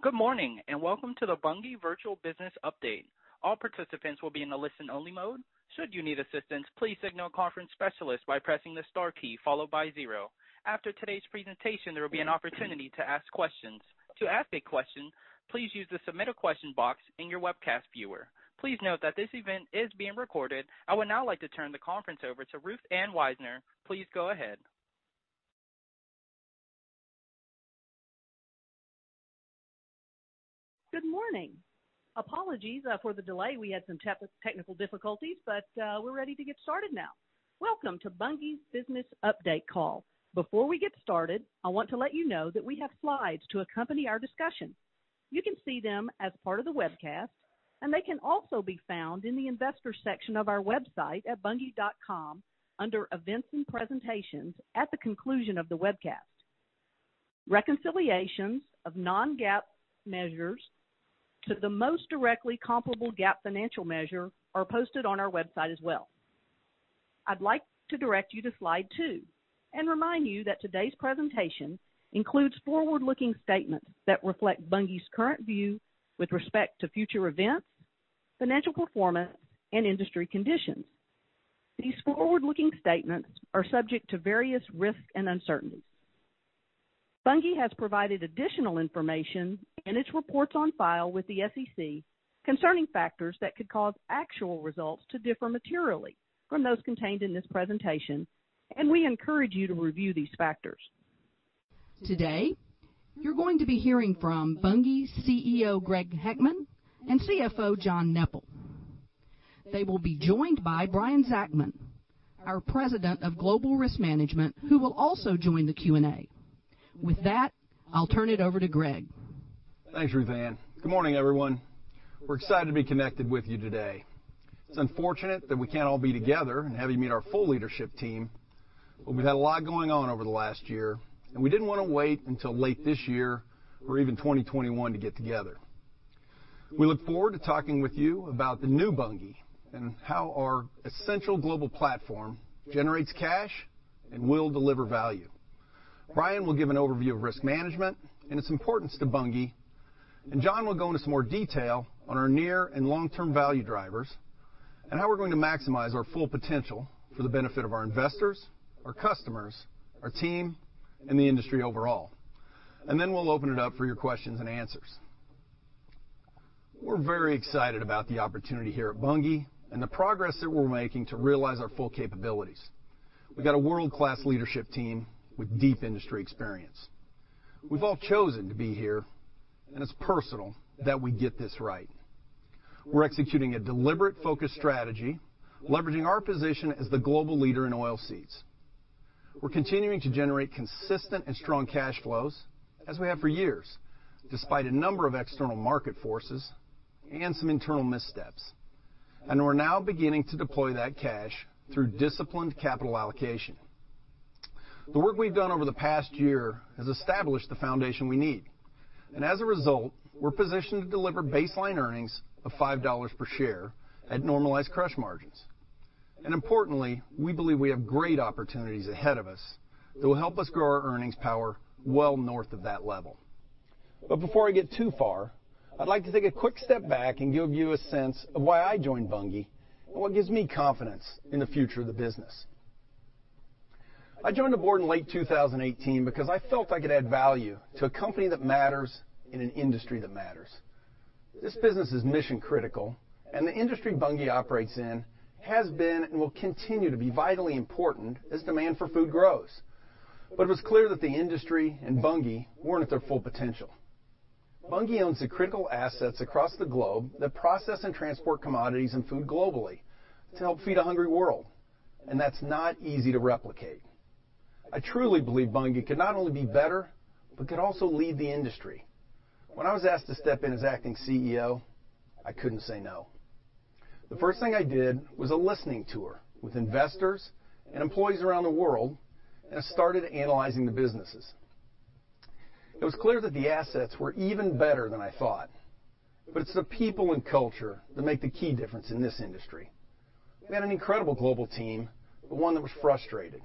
Good morning, and welcome to the Bunge Virtual Business Update. All participants will be in a listen only mode. Should you need assistance, please signal a conference specialist by pressing the star key followed by zero. After today's presentation, there will be an opportunity to ask questions. To ask a question, please use the Submit a Question box in your webcast viewer. Please note that this event is being recorded. I would now like to turn the conference over to Ruth Ann Wisener. Please go ahead. Good morning. Apologies for the delay. We had some technical difficulties. We're ready to get started now. Welcome to Bunge's Business Update Call. Before we get started, I want to let you know that we have slides to accompany our discussion. You can see them as part of the webcast. They can also be found in the investors section of our website at bunge.com under Events and Presentations at the conclusion of the webcast. Reconciliations of non-GAAP measures to the most directly comparable GAAP financial measure are posted on our website as well. I'd like to direct you to slide two. Remind you that today's presentation includes forward-looking statements that reflect Bunge's current view with respect to future events, financial performance, and industry conditions. These forward-looking statements are subject to various risks and uncertainties. Bunge has provided additional information in its reports on file with the SEC concerning factors that could cause actual results to differ materially from those contained in this presentation. We encourage you to review these factors. Today, you're going to be hearing from Bunge's CEO, Greg Heckman, and CFO, John Neppl. They will be joined by Brian Zachman, our President of Global Risk Management, who will also join the Q&A. With that, I'll turn it over to Greg. Thanks, Ruth Ann. Good morning, everyone. We're excited to be connected with you today. It's unfortunate that we can't all be together and have you meet our full leadership team. We've had a lot going on over the last year, and we didn't want to wait until late this year or even 2021 to get together. We look forward to talking with you about the new Bunge and how our essential global platform generates cash and will deliver value. Brian will give an overview of risk management and its importance to Bunge, and John will go into some more detail on our near and long-term value drivers and how we're going to maximize our full potential for the benefit of our investors, our customers, our team, and the industry overall. We'll open it up for your questions and answers. We're very excited about the opportunity here at Bunge and the progress that we're making to realize our full capabilities. We've got a world-class leadership team with deep industry experience. We've all chosen to be here, and it's personal that we get this right. We're executing a deliberate, focused strategy, leveraging our position as the global leader in oilseeds. We're continuing to generate consistent and strong cash flows, as we have for years, despite a number of external market forces and some internal missteps. We're now beginning to deploy that cash through disciplined capital allocation. The work we've done over the past year has established the foundation we need, and as a result, we're positioned to deliver baseline earnings of $5 per share at normalized crush margins. Importantly, we believe we have great opportunities ahead of us that will help us grow our earnings power well north of that level. Before I get too far, I'd like to take a quick step back and give you a sense of why I joined Bunge and what gives me confidence in the future of the business. I joined the board in late 2018 because I felt I could add value to a company that matters in an industry that matters. This business is mission-critical, and the industry Bunge operates in has been and will continue to be vitally important as demand for food grows. It was clear that the industry and Bunge weren't at their full potential. Bunge owns the critical assets across the globe that process and transport commodities and food globally to help feed a hungry world, and that's not easy to replicate. I truly believe Bunge could not only be better, but could also lead the industry. When I was asked to step in as acting CEO, I couldn't say no. The first thing I did was a listening tour with investors and employees around the world and started analyzing the businesses. It was clear that the assets were even better than I thought, but it's the people and culture that make the key difference in this industry. We had an incredible global team, one that was frustrated.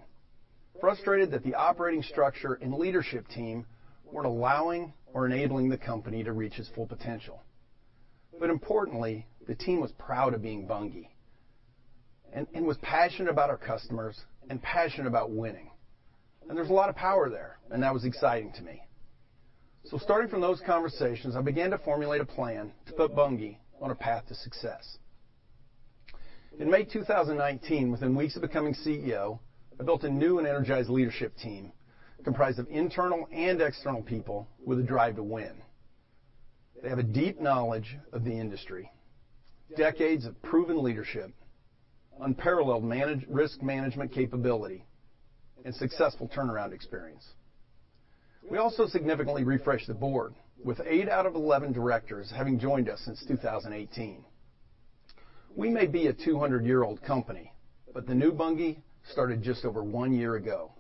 Frustrated that the operating structure and leadership team weren't allowing or enabling the company to reach its full potential. Importantly, the team was proud of being Bunge and was passionate about our customers and passionate about winning. There's a lot of power there, and that was exciting to me. Starting from those conversations, I began to formulate a plan to put Bunge on a path to success. In May 2019, within weeks of becoming CEO, I built a new and energized leadership team comprised of internal and external people with a drive to win. They have a deep knowledge of the industry, decades of proven leadership, unparalleled risk management capability, and successful turnaround experience. We also significantly refreshed the board, with eight out of 11 directors having joined us since 2018. We may be a 200-year-old company, but the new Bunge started just over one year ago.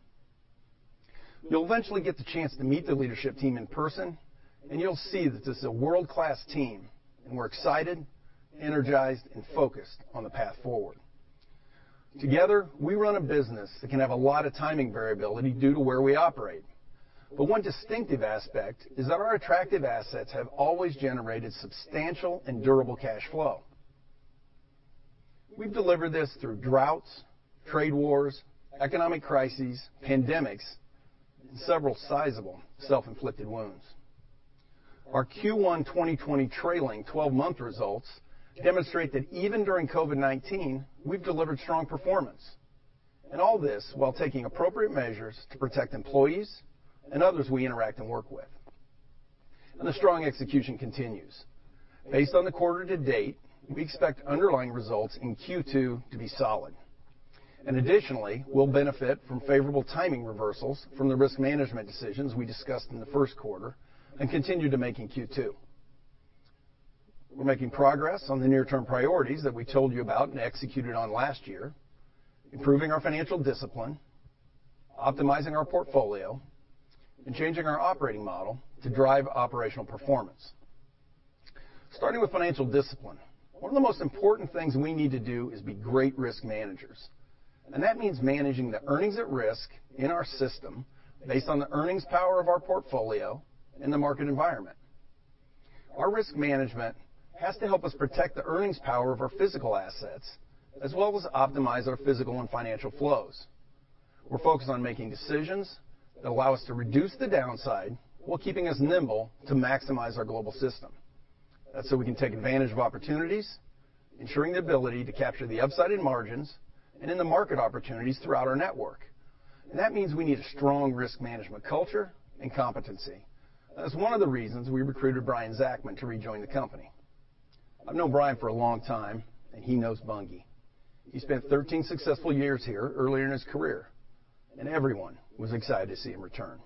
You'll eventually get the chance to meet the leadership team in person, and you'll see that this is a world-class team, and we're excited, energized, and focused on the path forward. Together, we run a business that can have a lot of timing variability due to where we operate. One distinctive aspect is that our attractive assets have always generated substantial and durable cash flow. We've delivered this through droughts, trade wars, economic crises, pandemics, and several sizable self-inflicted wounds. Our Q1 2020 trailing 12-month results demonstrate that even during COVID-19, we've delivered strong performance, and all this while taking appropriate measures to protect employees and others we interact and work with. The strong execution continues. Based on the quarter to date, we expect underlying results in Q2 to be solid. Additionally, we'll benefit from favorable timing reversals from the risk management decisions we discussed in the Q1 and continue to make in Q2. We're making progress on the near-term priorities that we told you about and executed on last year, improving our financial discipline, optimizing our portfolio, and changing our operating model to drive operational performance. Starting with financial discipline, one of the most important things we need to do is be great risk managers, and that means managing the earnings at risk in our system based on the earnings power of our portfolio and the market environment. Our risk management has to help us protect the earnings power of our physical assets, as well as optimize our physical and financial flows. We're focused on making decisions that allow us to reduce the downside while keeping us nimble to maximize our global system. That's so we can take advantage of opportunities, ensuring the ability to capture the upside in margins and in the market opportunities throughout our network. That means we need a strong risk management culture and competency. That's one of the reasons we recruited Brian Zachman to rejoin the company. I've known Brian for a long time, and he knows Bunge. He spent 13 successful years here earlier in his career, and everyone was excited to see him return.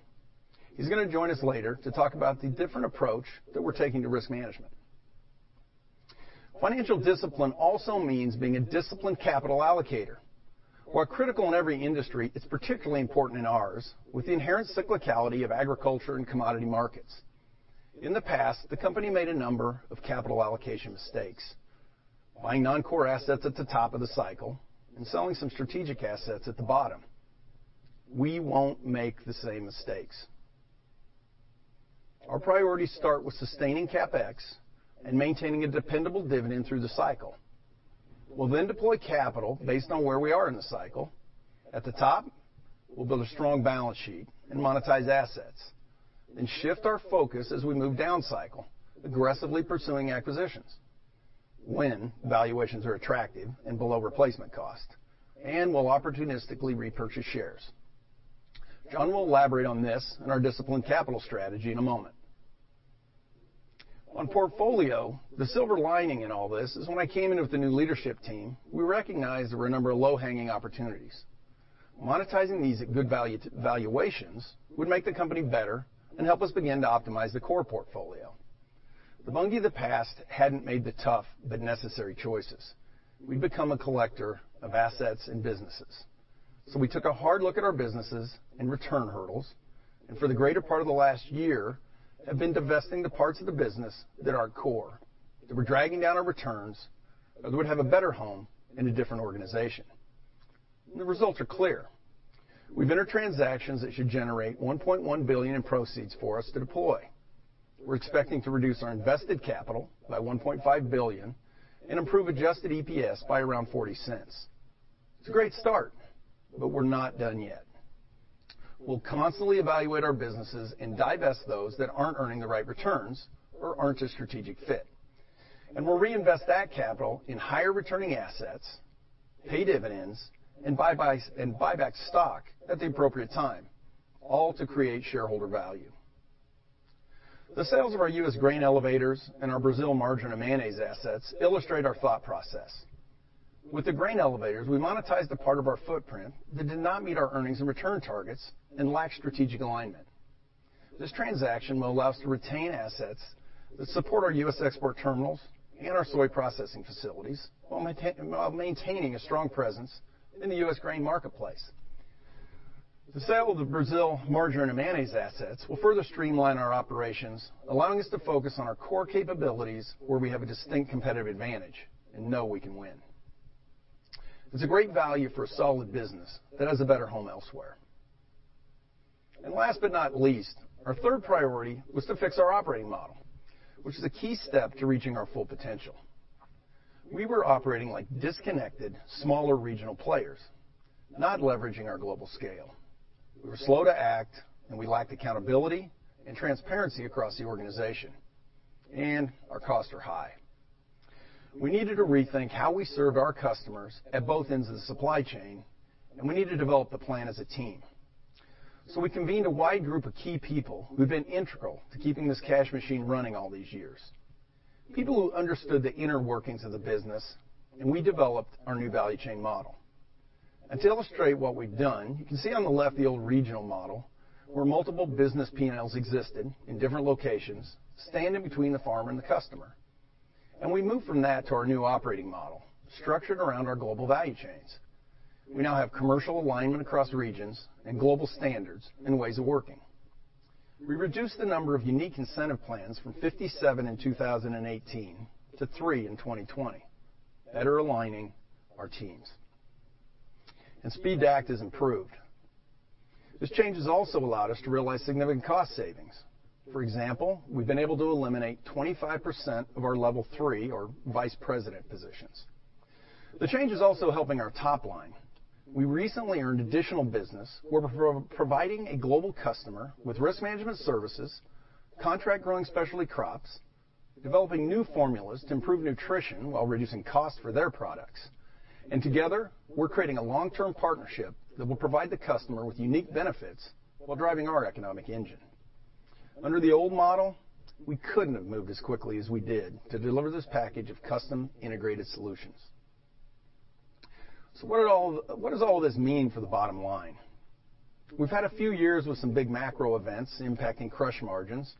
He's going to join us later to talk about the different approach that we're taking to risk management. Financial discipline also means being a disciplined capital allocator. While critical in every industry, it's particularly important in ours with the inherent cyclicality of agriculture and commodity markets. In the past, the company made a number of capital allocation mistakes, buying non-core assets at the top of the cycle and selling some strategic assets at the bottom. We won't make the same mistakes. Our priorities start with sustaining CapEx and maintaining a dependable dividend through the cycle. We'll then deploy capital based on where we are in the cycle. At the top, we'll build a strong balance sheet and monetize assets, then shift our focus as we move down cycle, aggressively pursuing acquisitions when valuations are attractive and below replacement cost, and we'll opportunistically repurchase shares. John will elaborate on this and our disciplined capital strategy in a moment. On portfolio, the silver lining in all this is when I came in with the new leadership team, we recognized there were a number of low-hanging opportunities. Monetizing these at good valuations would make the company better and help us begin to optimize the core portfolio. The Bunge of the past hadn't made the tough but necessary choices. We'd become a collector of assets and businesses. We took a hard look at our businesses and return hurdles, and for the greater part of the last year have been divesting the parts of the business that aren't core, that were dragging down our returns, or that would have a better home in a different organization. The results are clear. We've entered transactions that should generate $1.1 billion in proceeds for us to deploy. We're expecting to reduce our invested capital by $1.5 billion and improve adjusted EPS by around $0.40. It's a great start, but we're not done yet. We'll constantly evaluate our businesses and divest those that aren't earning the right returns or aren't a strategic fit. We'll reinvest that capital in higher-returning assets, pay dividends, and buy back stock at the appropriate time, all to create shareholder value. The sales of our U.S. grain elevators and our Brazil margarine and mayonnaise assets illustrate our thought process. With the grain elevators, we monetized the part of our footprint that did not meet our earnings and return targets and lacked strategic alignment. This transaction will allow us to retain assets that support our U.S. export terminals and our soy processing facilities while maintaining a strong presence in the U.S. grain marketplace. The sale of the Brazil margarine and mayonnaise assets will further streamline our operations, allowing us to focus on our core capabilities where we have a distinct competitive advantage and know we can win. It's a great value for a solid business that has a better home elsewhere. Last but not least, our third priority was to fix our operating model, which is a key step to reaching our full potential. We were operating like disconnected, smaller regional players, not leveraging our global scale. We were slow to act, and we lacked accountability and transparency across the organization, and our costs were high. We needed to rethink how we served our customers at both ends of the supply chain, and we needed to develop the plan as a team. We convened a wide group of key people who've been integral to keeping this cash machine running all these years, people who understood the inner workings of the business, and we developed our new value chain model. To illustrate what we've done, you can see on the left the old regional model where multiple business P&Ls existed in different locations, standing between the farmer and the customer. We moved from that to our new operating model structured around our global value chains. We now have commercial alignment across regions and global standards and ways of working. We reduced the number of unique incentive plans from 57 in 2018 to three in 2020, better aligning our teams. Speed to act is improved. These changes also allowed us to realize significant cost savings. For example, we've been able to eliminate 25% of our level 3 or vice president positions. The change is also helping our top line. We recently earned additional business. We're providing a global customer with risk management services, contract growing specialty crops, developing new formulas to improve nutrition while reducing costs for their products. Together, we're creating a long-term partnership that will provide the customer with unique benefits while driving our economic engine. Under the old model, we couldn't have moved as quickly as we did to deliver this package of custom-integrated solutions. What does all this mean for the bottom line? We've had a few years with some big macro events impacting crush margins,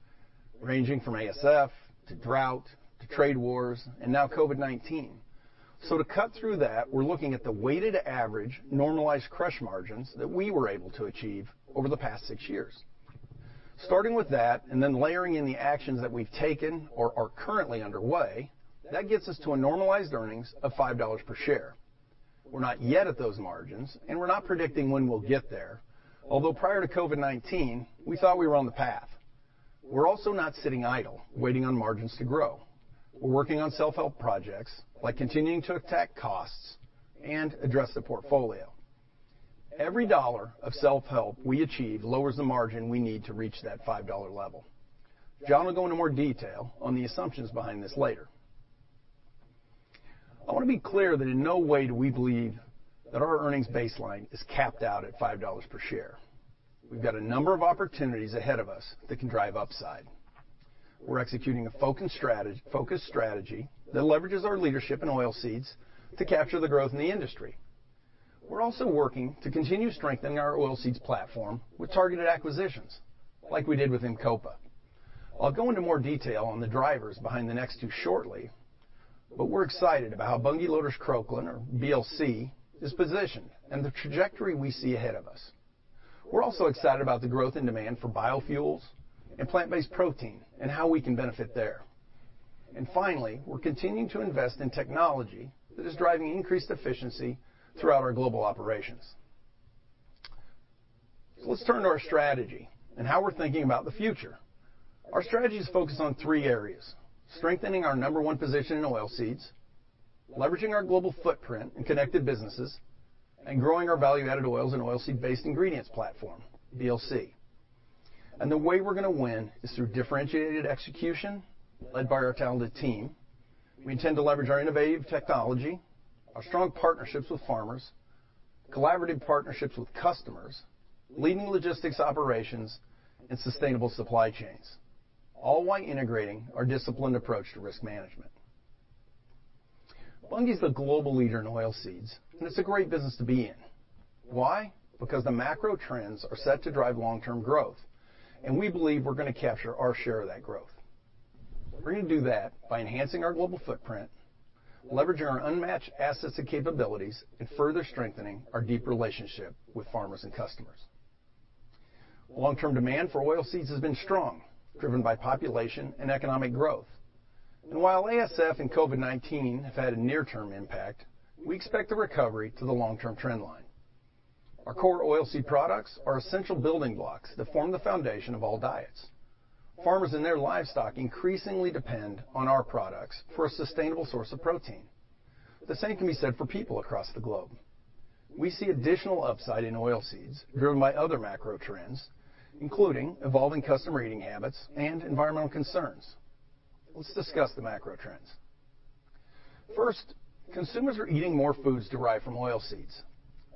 ranging from ASF to drought to trade wars, and now COVID-19. To cut through that, we're looking at the weighted average normalized crush margins that we were able to achieve over the past six years. Starting with that and then layering in the actions that we've taken or are currently underway, that gets us to a normalized earnings of $5 per share. We're not yet at those margins, and we're not predicting when we'll get there. Although prior to COVID-19, we thought we were on the path. We're also not sitting idle, waiting on margins to grow. We're working on self-help projects, like continuing to attack costs and address the portfolio. Every dollar of self-help we achieve lowers the margin we need to reach that $5 level. John will go into more detail on the assumptions behind this later. I want to be clear that in no way do we believe that our earnings baseline is capped out at $5 per share. We've got a number of opportunities ahead of us that can drive upside. We're executing a focused strategy that leverages our leadership in oilseeds to capture the growth in the industry. We're also working to continue strengthening our oilseeds platform with targeted acquisitions, like we did with Imcopa. I'll go into more detail on the drivers behind the next two shortly, but we're excited about how Bunge Loders Croklaan or BLC is positioned and the trajectory we see ahead of us. We're also excited about the growth and demand for biofuels and plant-based protein and how we can benefit there. Finally, we're continuing to invest in technology that is driving increased efficiency throughout our global operations. Let's turn to our strategy and how we're thinking about the future. Our strategy is focused on three areas, strengthening our number one position in oilseeds, leveraging our global footprint in connected businesses, and growing our value-added oils and oilseed-based ingredients platform, BLC. The way we're going to win is through differentiated execution led by our talented team. We intend to leverage our innovative technology, our strong partnerships with farmers, collaborative partnerships with customers, leading logistics operations, and sustainable supply chains, all while integrating our disciplined approach to risk management. Bunge is the global leader in oilseeds, and it's a great business to be in. Why? The macro trends are set to drive long-term growth, and we believe we're going to capture our share of that growth. We're going to do that by enhancing our global footprint, leveraging our unmatched assets and capabilities, and further strengthening our deep relationship with farmers and customers. Long-term demand for oilseeds has been strong, driven by population and economic growth. While ASF and COVID-19 have had a near-term impact, we expect a recovery to the long-term trend line. Our core oilseed products are essential building blocks that form the foundation of all diets. Farmers and their livestock increasingly depend on our products for a sustainable source of protein. The same can be said for people across the globe. We see additional upside in oilseeds driven by other macro trends, including evolving customer eating habits and environmental concerns. Let's discuss the macro trends. First, consumers are eating more foods derived from oilseeds.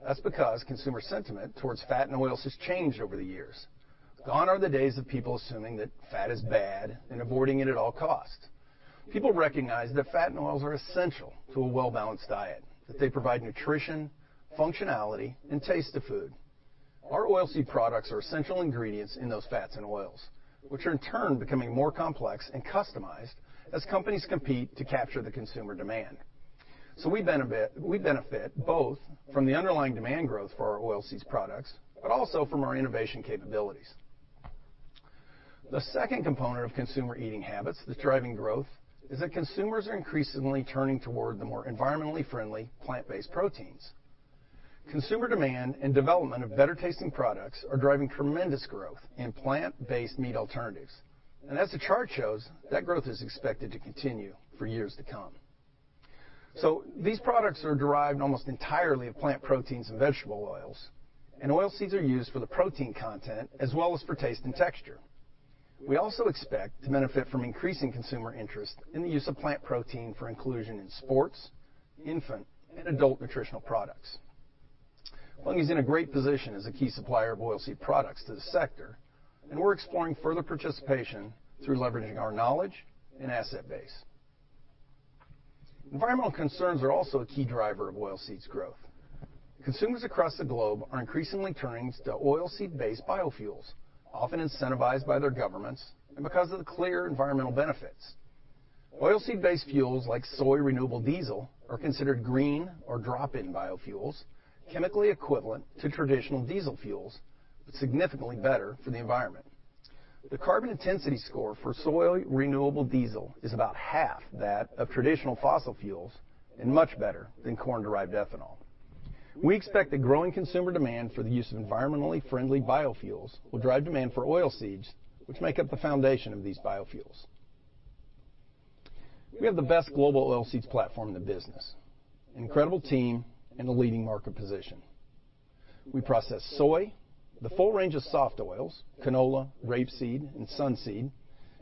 That's because consumer sentiment towards fat and oils has changed over the years. Gone are the days of people assuming that fat is bad and avoiding it at all costs. People recognize that fat and oils are essential to a well-balanced diet, that they provide nutrition, functionality, and taste to food. Our oilseed products are essential ingredients in those fats and oils, which are in turn becoming more complex and customized as companies compete to capture the consumer demand. We benefit both from the underlying demand growth for our oilseeds products, but also from our innovation capabilities. The second component of consumer eating habits that's driving growth is that consumers are increasingly turning toward the more environmentally friendly plant-based proteins. Consumer demand and development of better-tasting products are driving tremendous growth in plant-based meat alternatives. As the chart shows, that growth is expected to continue for years to come. These products are derived almost entirely of plant proteins and vegetable oils, and oilseeds are used for the protein content as well as for taste and texture. We also expect to benefit from increasing consumer interest in the use of plant protein for inclusion in sports, infant, and adult nutritional products. Bunge's in a great position as a key supplier of oilseed products to the sector, and we're exploring further participation through leveraging our knowledge and asset base. Environmental concerns are also a key driver of oilseeds growth. Consumers across the globe are increasingly turning to oilseed-based biofuels, often incentivized by their governments and because of the clear environmental benefits. Oilseed-based fuels like soy renewable diesel are considered green or drop-in biofuels, chemically equivalent to traditional diesel fuels, but significantly better for the environment. The carbon intensity score for soy renewable diesel is about half that of traditional fossil fuels and much better than corn-derived ethanol. We expect a growing consumer demand for the use of environmentally friendly biofuels will drive demand for oil seeds, which make up the foundation of these biofuels. We have the best global oil seeds platform in the business, an incredible team, and a leading market position. We process soy, the full range of soft oils, canola, rapeseed, and sunseed,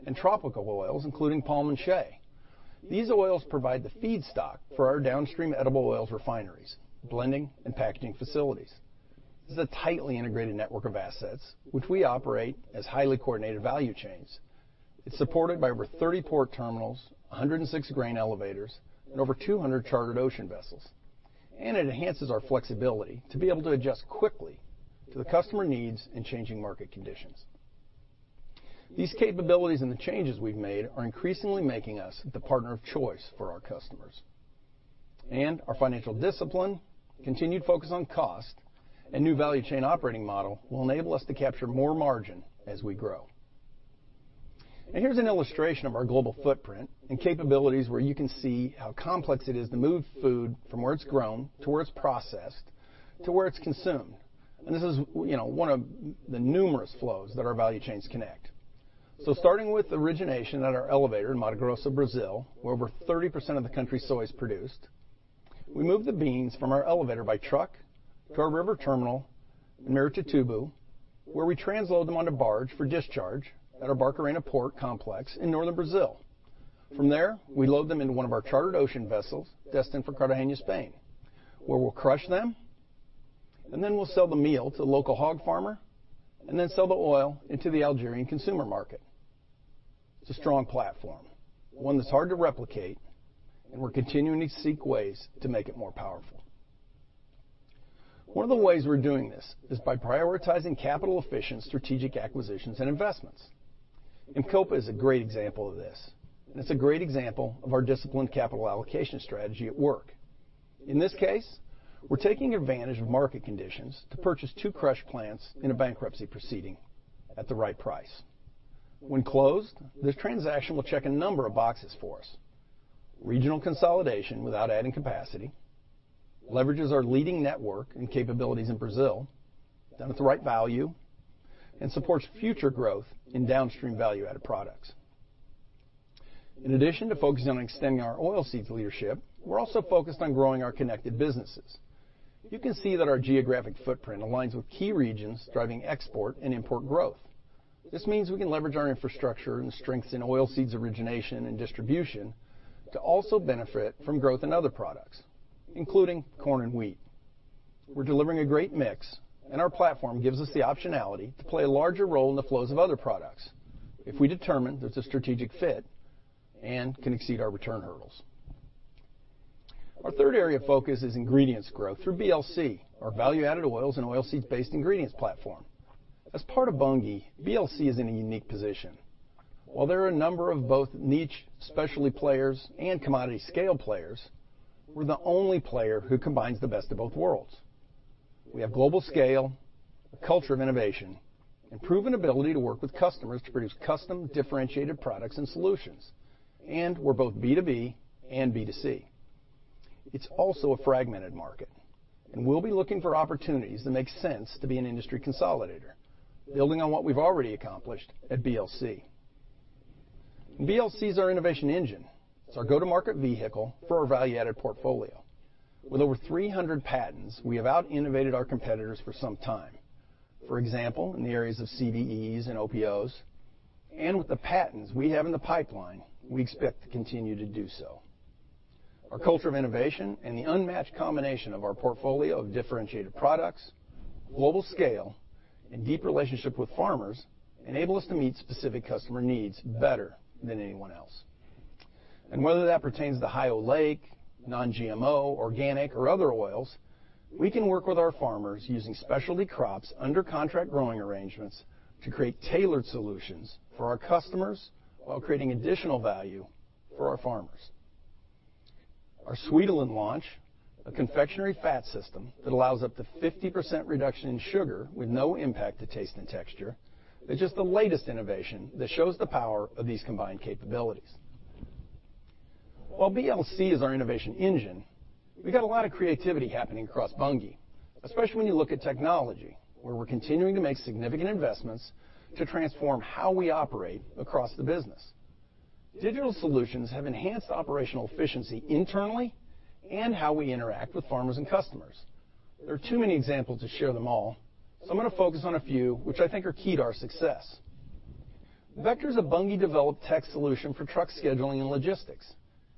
and tropical oils, including palm and shea. These oils provide the feedstock for our downstream edible oils refineries, blending and packaging facilities. This is a tightly integrated network of assets, which we operate as highly coordinated value chains. It's supported by over 30 port terminals, 106 grain elevators, and over 200 chartered ocean vessels. It enhances our flexibility to be able to adjust quickly to the customer needs and changing market conditions. These capabilities and the changes we've made are increasingly making us the partner of choice for our customers. Our financial discipline, continued focus on cost, and new value chain operating model will enable us to capture more margin as we grow. Here's an illustration of our global footprint and capabilities where you can see how complex it is to move food from where it's grown to where it's processed, to where it's consumed. This is one of the numerous flows that our value chains connect. Starting with origination at our elevator in Mato Grosso, Brazil, where over 30% of the country's soy is produced, we move the beans from our elevator by truck to our river terminal in Miritituba, where we transload them onto barge for discharge at our Barcarena port complex in northern Brazil. From there, we load them into one of our chartered ocean vessels destined for Cartagena, Spain, where we'll crush them, and then we'll sell the meal to the local hog farmer, and then sell the oil into the Algerian consumer market. It's a strong platform, one that's hard to replicate, and we're continuing to seek ways to make it more powerful. One of the ways we're doing this is by prioritizing capital-efficient strategic acquisitions and investments. Imcopa is a great example of this, and it's a great example of our disciplined capital allocation strategy at work. In this case, we're taking advantage of market conditions to purchase two crush plants in a bankruptcy proceeding at the right price. When closed, this transaction will check a number of boxes for us. Regional consolidation without adding capacity, leverages our leading network and capabilities in Brazil, done at the right value, and supports future growth in downstream value-added products. In addition to focusing on extending our oil seeds leadership, we're also focused on growing our connected businesses. You can see that our geographic footprint aligns with key regions driving export and import growth. This means we can leverage our infrastructure and strengths in oil seeds origination and distribution to also benefit from growth in other products, including corn and wheat. We're delivering a great mix, and our platform gives us the optionality to play a larger role in the flows of other products if we determine there's a strategic fit and can exceed our return hurdles. Our third area of focus is ingredients growth through BLC, our value-added oils and oil seeds-based ingredients platform. As part of Bunge, BLC is in a unique position. While there are a number of both niche specialty players and commodity scale players, we're the only player who combines the best of both worlds. We have global scale, a culture of innovation, and proven ability to work with customers to produce custom differentiated products and solutions. We're both B2B and B2C. It's also a fragmented market, and we'll be looking for opportunities that make sense to be an industry consolidator, building on what we've already accomplished at BLC. BLC is our innovation engine. It's our go-to-market vehicle for our value-added portfolio. With over 300 patents, we have out-innovated our competitors for some time. For example, in the areas of CBEs and OPOs, with the patents we have in the pipeline, we expect to continue to do so. Our culture of innovation and the unmatched combination of our portfolio of differentiated products, global scale, and deep relationship with farmers enable us to meet specific customer needs better than anyone else. Whether that pertains to high oleic, non-GMO, organic, or other oils, we can work with our farmers using specialty crops under contract growing arrangements to create tailored solutions for our customers while creating additional value for our farmers. Our Sweetolin launch, a confectionery fat system that allows up to 50% reduction in sugar with no impact to taste and texture, is just the latest innovation that shows the power of these combined capabilities. While BLC is our innovation engine, we got a lot of creativity happening across Bunge, especially when you look at technology, where we're continuing to make significant investments to transform how we operate across the business. Digital solutions have enhanced operational efficiency internally and how we interact with farmers and customers. There are too many examples to share them all, so I'm going to focus on a few which I think are key to our success. Vector's a Bunge-developed tech solution for truck scheduling and logistics.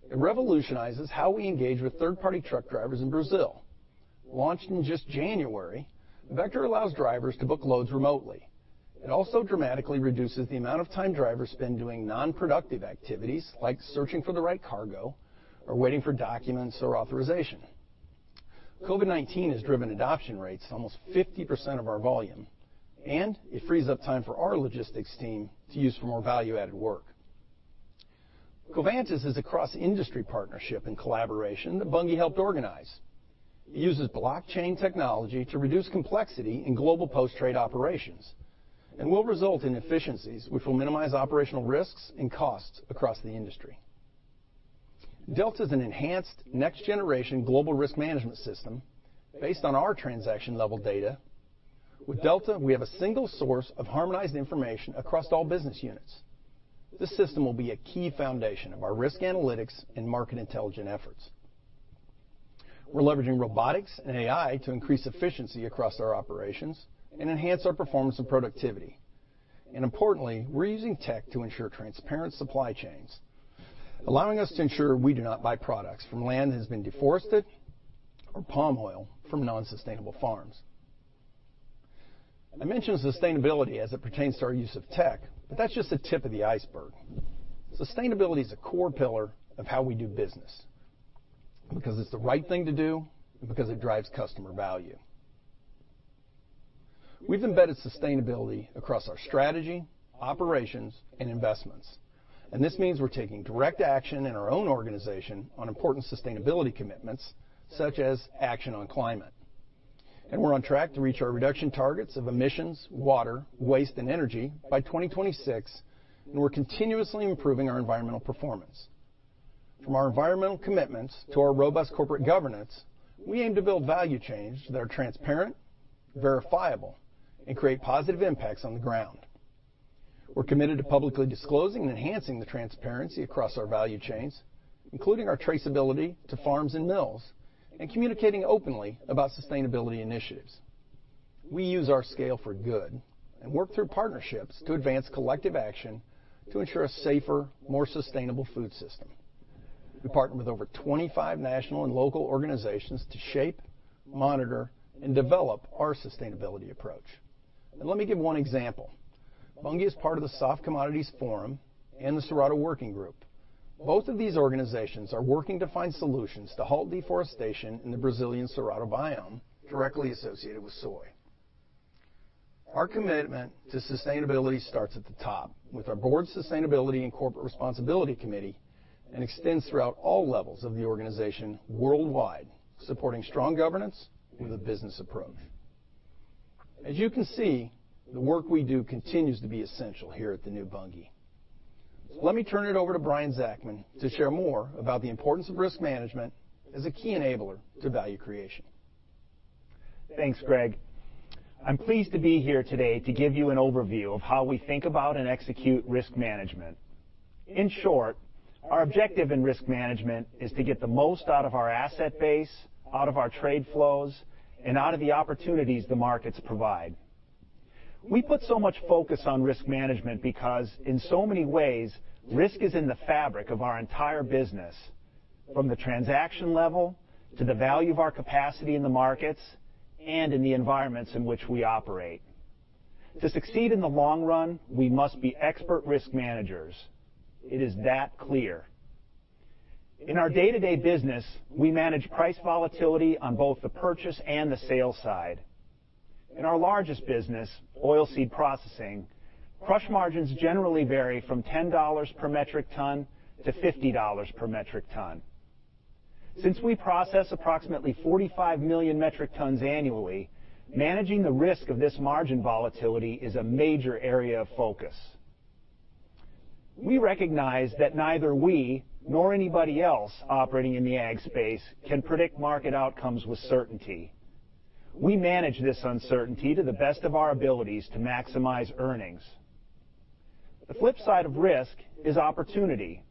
It revolutionizes how we engage with third-party truck drivers in Brazil. Launched in just January, Vector allows drivers to book loads remotely. It also dramatically reduces the amount of time drivers spend doing non-productive activities like searching for the right cargo or waiting for documents or authorization. COVID-19 has driven adoption rates to almost 50% of our volume, and it frees up time for our logistics team to use for more value-added work. Covantis is a cross-industry partnership and collaboration that Bunge helped organize. It uses blockchain technology to reduce complexity in global post-trade operations and will result in efficiencies which will minimize operational risks and costs across the industry. Delta's an enhanced next-generation global risk management system based on our transaction-level data. With Delta, we have a single source of harmonized information across all business units. This system will be a key foundation of our risk analytics and market intelligence efforts. We're leveraging robotics and AI to increase efficiency across our operations and enhance our performance and productivity. Importantly, we're using tech to ensure transparent supply chains, allowing us to ensure we do not buy products from land that has been deforested or palm oil from non-sustainable farms. I mention sustainability as it pertains to our use of tech, but that's just the tip of the iceberg. Sustainability is a core pillar of how we do business, because it's the right thing to do and because it drives customer value. We've embedded sustainability across our strategy, operations, and investments, and this means we're taking direct action in our own organization on important sustainability commitments, such as action on climate. We're on track to reach our reduction targets of emissions, water, waste, and energy by 2026, and we're continuously improving our environmental performance. From our environmental commitments to our robust corporate governance, we aim to build value chains that are transparent, verifiable, and create positive impacts on the ground. We're committed to publicly disclosing and enhancing the transparency across our value chains, including our traceability to farms and mills, and communicating openly about sustainability initiatives. We use our scale for good and work through partnerships to advance collective action to ensure a safer, more sustainable food system. We partner with over 25 national and local organizations to shape, monitor, and develop our sustainability approach. Let me give one example. Bunge is part of the Soft Commodities Forum and the Cerrado Working Group. Both of these organizations are working to find solutions to halt deforestation in the Brazilian Cerrado biome directly associated with soy. Our commitment to sustainability starts at the top with our board's Sustainability and Corporate Responsibility Committee and extends throughout all levels of the organization worldwide, supporting strong governance with a business approach. As you can see, the work we do continues to be essential here at the new Bunge. Let me turn it over to Brian Zachman to share more about the importance of risk management as a key enabler to value creation. Thanks, Greg. I'm pleased to be here today to give you an overview of how we think about and execute risk management. In short, our objective in risk management is to get the most out of our asset base, out of our trade flows, and out of the opportunities the markets provide. We put so much focus on risk management because in so many ways, risk is in the fabric of our entire business, from the transaction level to the value of our capacity in the markets and in the environments in which we operate. To succeed in the long run, we must be expert risk managers. It is that clear. In our day-to-day business, we manage price volatility on both the purchase and the sales side. In our largest business, oilseed processing, crush margins generally vary from $10 per metric ton to $50 per metric ton. Since we process approximately 45 million metric tons annually, managing the risk of this margin volatility is a major area of focus. We recognize that neither we nor anybody else operating in the ag space can predict market outcomes with certainty. We manage this uncertainty to the best of our abilities to maximize earnings. The flip side of risk is opportunity.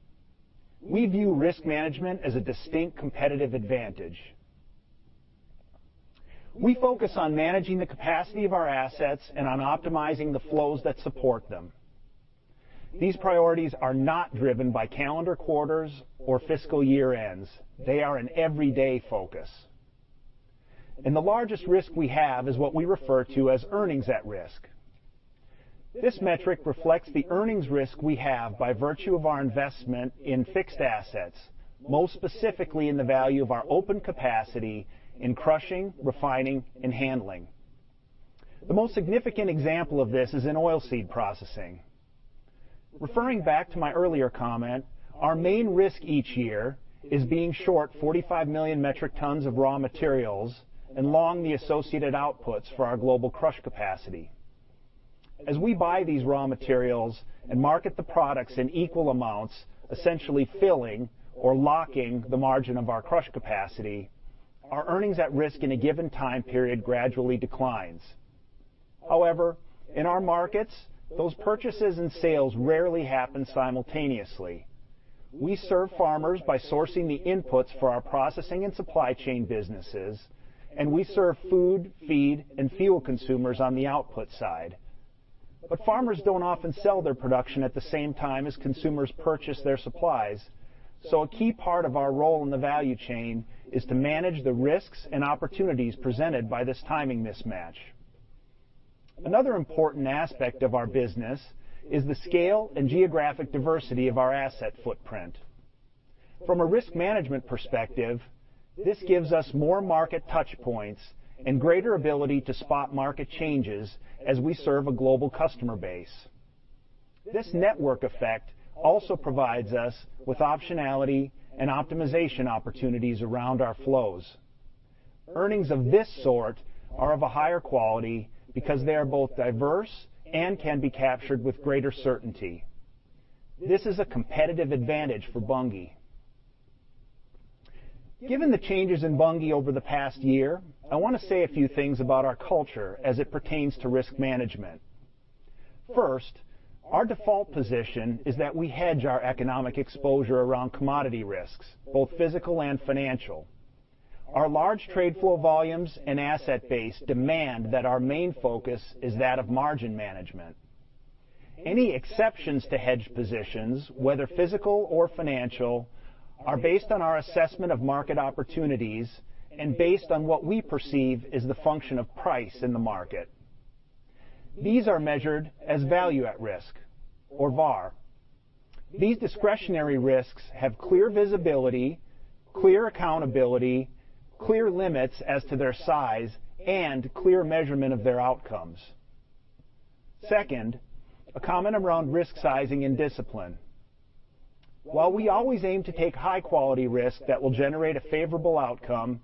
We view risk management as a distinct competitive advantage. We focus on managing the capacity of our assets and on optimizing the flows that support them. These priorities are not driven by calendar quarters or fiscal year-ends. They are an everyday focus. The largest risk we have is what we refer to as earnings at risk. This metric reflects the earnings risk we have by virtue of our investment in fixed assets, most specifically in the value of our open capacity in crushing, refining, and handling. The most significant example of this is in oilseed processing. Referring back to my earlier comment, our main risk each year is being short 45 million metric tons of raw materials and long the associated outputs for our global crush capacity. As we buy these raw materials and market the products in equal amounts, essentially filling or locking the margin of our crush capacity, our earnings at risk in a given time period gradually declines. In our markets, those purchases and sales rarely happen simultaneously. We serve farmers by sourcing the inputs for our processing and supply chain businesses, we serve food, feed, and fuel consumers on the output side. Farmers don't often sell their production at the same time as consumers purchase their supplies. A key part of our role in the value chain is to manage the risks and opportunities presented by this timing mismatch. Another important aspect of our business is the scale and geographic diversity of our asset footprint. From a risk management perspective, this gives us more market touchpoints and greater ability to spot market changes as we serve a global customer base. This network effect also provides us with optionality and optimization opportunities around our flows. Earnings of this sort are of a higher quality because they are both diverse and can be captured with greater certainty. This is a competitive advantage for Bunge. Given the changes in Bunge over the past year, I want to say a few things about our culture as it pertains to risk management. First, our default position is that we hedge our economic exposure around commodity risks, both physical and financial. Our large trade flow volumes and asset base demand that our main focus is that of margin management. Any exceptions to hedged positions, whether physical or financial, are based on our assessment of market opportunities and based on what we perceive as the function of price in the market. These are measured as Value at Risk or VaR. These discretionary risks have clear visibility, clear accountability, clear limits as to their size, and clear measurement of their outcomes. Second, a comment around risk sizing and discipline. While we always aim to take high-quality risk that will generate a favorable outcome,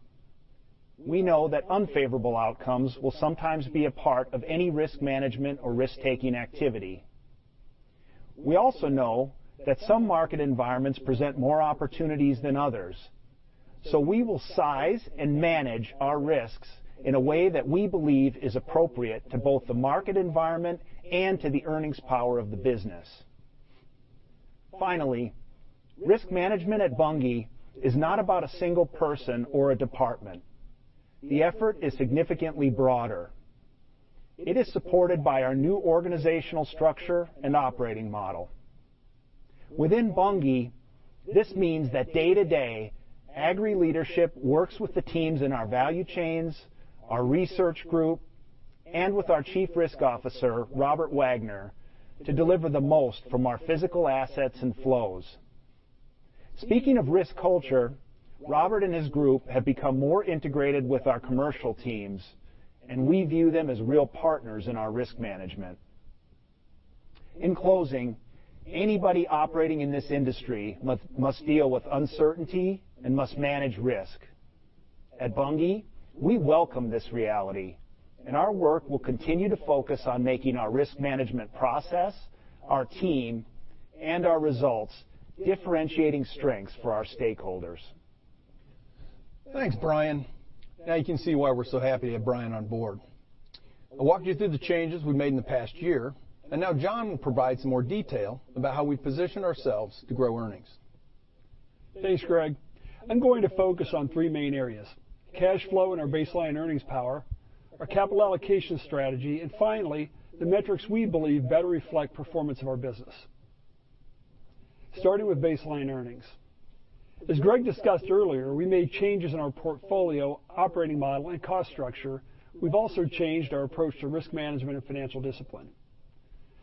we know that unfavorable outcomes will sometimes be a part of any risk management or risk-taking activity. We also know that some market environments present more opportunities than others, so we will size and manage our risks in a way that we believe is appropriate to both the market environment and to the earnings power of the business. Finally, risk management at Bunge is not about a single person or a department. The effort is significantly broader. It is supported by our new organizational structure and operating model. Within Bunge, this means that day-to-day, Agri leadership works with the teams in our value chains, our research group, and with our Chief Risk Officer, Robert Wagner, to deliver the most from our physical assets and flows. Speaking of risk culture, Robert and his group have become more integrated with our commercial teams, and we view them as real partners in our risk management. In closing, anybody operating in this industry must deal with uncertainty and must manage risk. At Bunge, we welcome this reality, and our work will continue to focus on making our risk management process, our team, and our results differentiating strengths for our stakeholders. Thanks, Brian. Now you can see why we're so happy to have Brian on board. I walked you through the changes we made in the past year, and now John will provide some more detail about how we position ourselves to grow earnings. Thanks, Greg. I'm going to focus on three main areas, cash flow and our baseline earnings power, our capital allocation strategy, and finally, the metrics we believe better reflect performance of our business. Starting with baseline earnings. As Greg discussed earlier, we made changes in our portfolio operating model and cost structure. We've also changed our approach to risk management and financial discipline.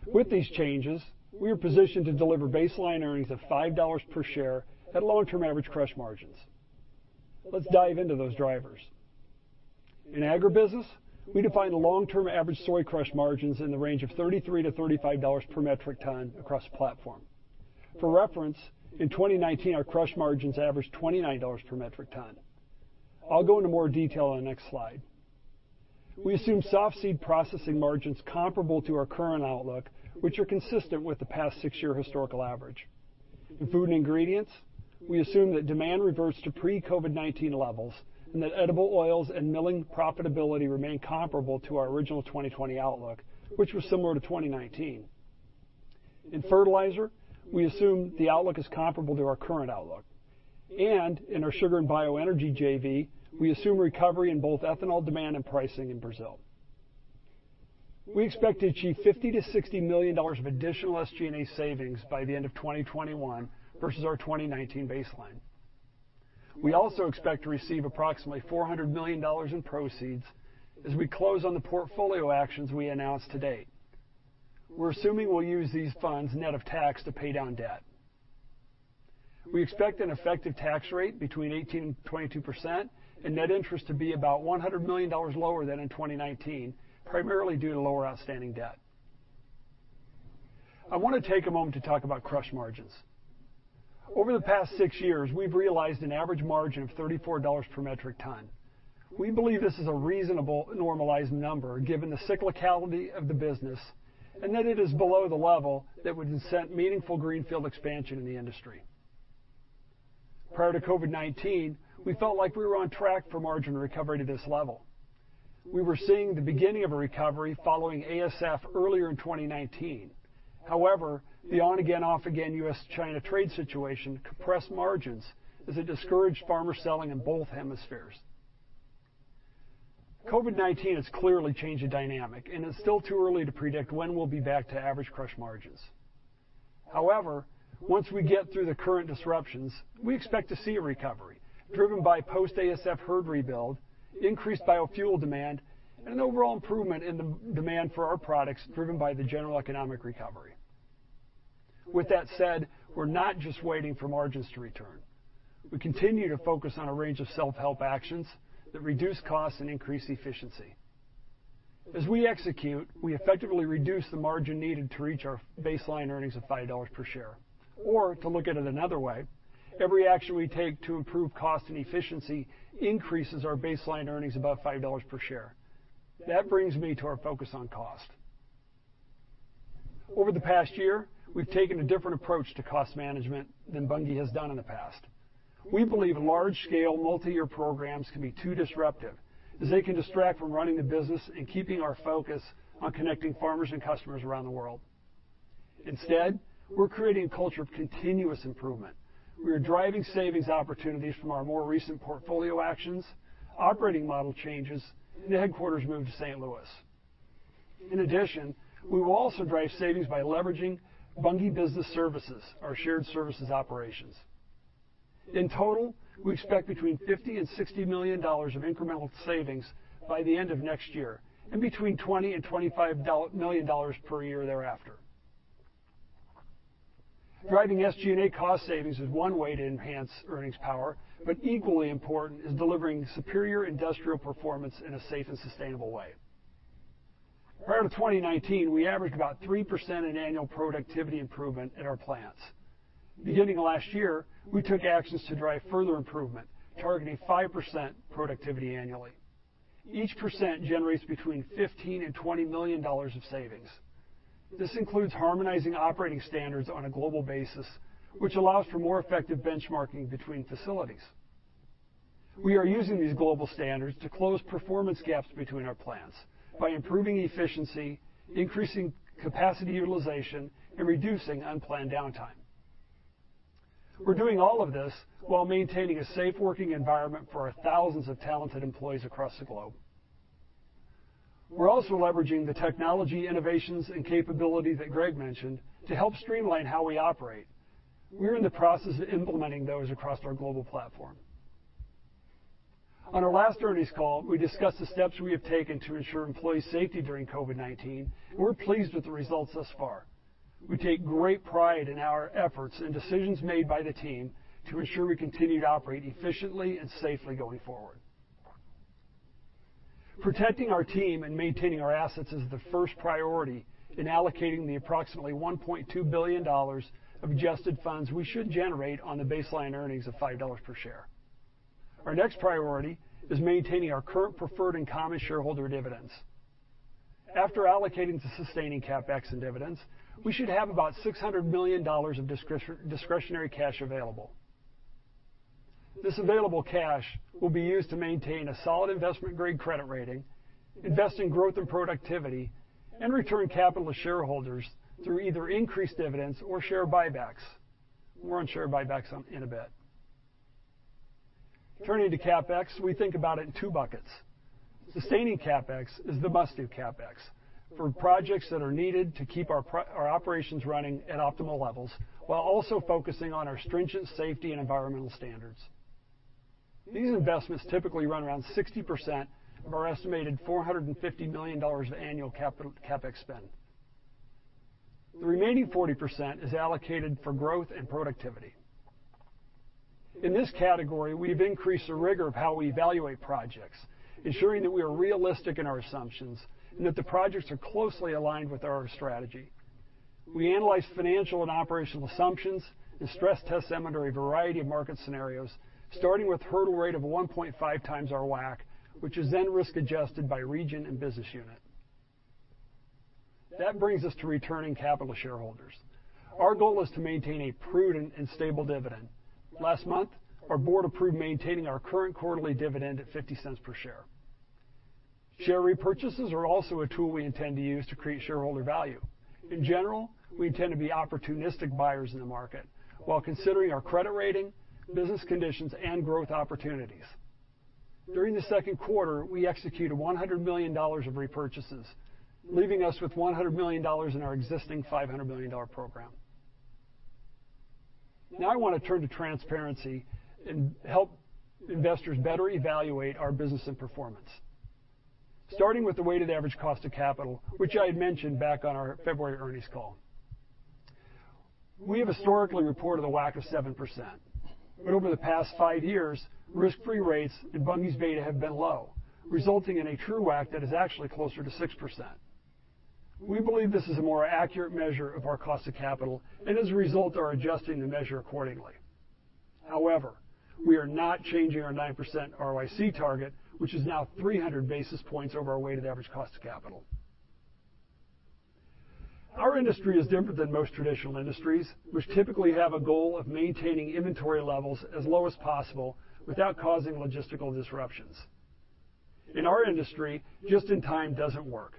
With these changes, we are positioned to deliver baseline earnings of $5 per share at long-term average crush margins. Let's dive into those drivers. In agribusiness, we define the long-term average soy crush margins in the range of $33-$35 per metric ton across the platform. For reference, in 2019, our crush margins averaged $29 per metric ton. I'll go into more detail on the next slide. We assume softseed processing margins comparable to our current outlook, which are consistent with the past six-year historical average. In food and ingredients, we assume that demand reverts to pre-COVID-19 levels and that edible oils and milling profitability remain comparable to our original 2020 outlook, which was similar to 2019. In fertilizer, we assume the outlook is comparable to our current outlook. In our sugar and bioenergy JV, we assume recovery in both ethanol demand and pricing in Brazil. We expect to achieve $50 million-$60 million of additional SG&A savings by the end of 2021 versus our 2019 baseline. We also expect to receive approximately $400 million in proceeds as we close on the portfolio actions we announced to date. We're assuming we'll use these funds net of tax to pay down debt. We expect an effective tax rate between 18% and 22% and net interest to be about $100 million lower than in 2019, primarily due to lower outstanding debt. I want to take a moment to talk about crush margins. Over the past six years, we've realized an average margin of $34 per metric ton. We believe this is a reasonable normalized number given the cyclicality of the business and that it is below the level that would incent meaningful greenfield expansion in the industry. Prior to COVID-19, we felt like we were on track for margin recovery to this level. We were seeing the beginning of a recovery following ASF earlier in 2019. However, the on-again, off-again U.S.-China trade situation compressed margins as it discouraged farmer selling in both hemispheres. COVID-19 has clearly changed the dynamic, and it's still too early to predict when we'll be back to average crush margins. However, once we get through the current disruptions, we expect to see a recovery driven by post-ASF herd rebuild, increased biofuel demand, and an overall improvement in the demand for our products driven by the general economic recovery. With that said, we're not just waiting for margins to return. We continue to focus on a range of self-help actions that reduce costs and increase efficiency. As we execute, we effectively reduce the margin needed to reach our baseline earnings of $5 per share. To look at it another way, every action we take to improve cost and efficiency increases our baseline earnings above $5 per share. That brings me to our focus on cost. Over the past year, we've taken a different approach to cost management than Bunge has done in the past. We believe large-scale, multi-year programs can be too disruptive, as they can distract from running the business and keeping our focus on connecting farmers and customers around the world. Instead, we're creating a culture of continuous improvement. We are driving savings opportunities from our more recent portfolio actions, operating model changes, and the headquarters move to St. Louis. In addition, we will also drive savings by leveraging Bunge Business Services, our shared services operations. In total, we expect between $50 million and $60 million of incremental savings by the end of next year and between $20 million and $25 million per year thereafter. Driving SG&A cost savings is one way to enhance earnings power, but equally important is delivering superior industrial performance in a safe and sustainable way. Prior to 2019, we averaged about 3% in annual productivity improvement at our plants. Beginning last year, we took actions to drive further improvement, targeting 5% productivity annually. Each percent generates between $15 million and $20 million of savings. This includes harmonizing operating standards on a global basis, which allows for more effective benchmarking between facilities. We are using these global standards to close performance gaps between our plants by improving efficiency, increasing capacity utilization, and reducing unplanned downtime. We're doing all of this while maintaining a safe working environment for our thousands of talented employees across the globe. We're also leveraging the technology innovations and capabilities that Greg mentioned to help streamline how we operate. We are in the process of implementing those across our global platform. On our last earnings call, we discussed the steps we have taken to ensure employee safety during COVID-19. We're pleased with the results thus far. We take great pride in our efforts and decisions made by the team to ensure we continue to operate efficiently and safely going forward. Protecting our team and maintaining our assets is the first priority in allocating the approximately $1.2 billion of adjusted funds we should generate on the baseline earnings of $5 per share. Our next priority is maintaining our current preferred and common shareholder dividends. After allocating to sustaining CapEx and dividends, we should have about $600 million of discretionary cash available. This available cash will be used to maintain a solid investment-grade credit rating, invest in growth and productivity, and return capital to shareholders through either increased dividends or share buybacks. More on share buybacks in a bit. Turning to CapEx, we think about it in two buckets. Sustaining CapEx is the must-do CapEx for projects that are needed to keep our operations running at optimal levels while also focusing on our stringent safety and environmental standards. These investments typically run around 60% of our estimated $450 million of annual CapEx spend. The remaining 40% is allocated for growth and productivity. In this category, we've increased the rigor of how we evaluate projects, ensuring that we are realistic in our assumptions and that the projects are closely aligned with our strategy. We analyze financial and operational assumptions and stress test them under a variety of market scenarios, starting with a hurdle rate of 1.5x our WACC, which is then risk-adjusted by region and business unit. That brings us to returning capital to shareholders. Our goal is to maintain a prudent and stable dividend. Last month, our board approved maintaining our current quarterly dividend at $0.50 per share. Share repurchases are also a tool we intend to use to create shareholder value. In general, we intend to be opportunistic buyers in the market while considering our credit rating, business conditions, and growth opportunities. During the Q2, we executed $100 million of repurchases, leaving us with $100 million in our existing $500 million program. I want to turn to transparency and help investors better evaluate our business and performance. Starting with the weighted average cost of capital, which I had mentioned back on our February earnings call. We have historically reported a WACC of 7%, over the past five years, risk-free rates and Bunge's beta have been low, resulting in a true WACC that is actually closer to 6%. We believe this is a more accurate measure of our cost of capital and, as a result, are adjusting the measure accordingly. We are not changing our 9% ROIC target, which is now 300 basis points over our weighted average cost of capital. Our industry is different than most traditional industries, which typically have a goal of maintaining inventory levels as low as possible without causing logistical disruptions. In our industry, just-in-time doesn't work.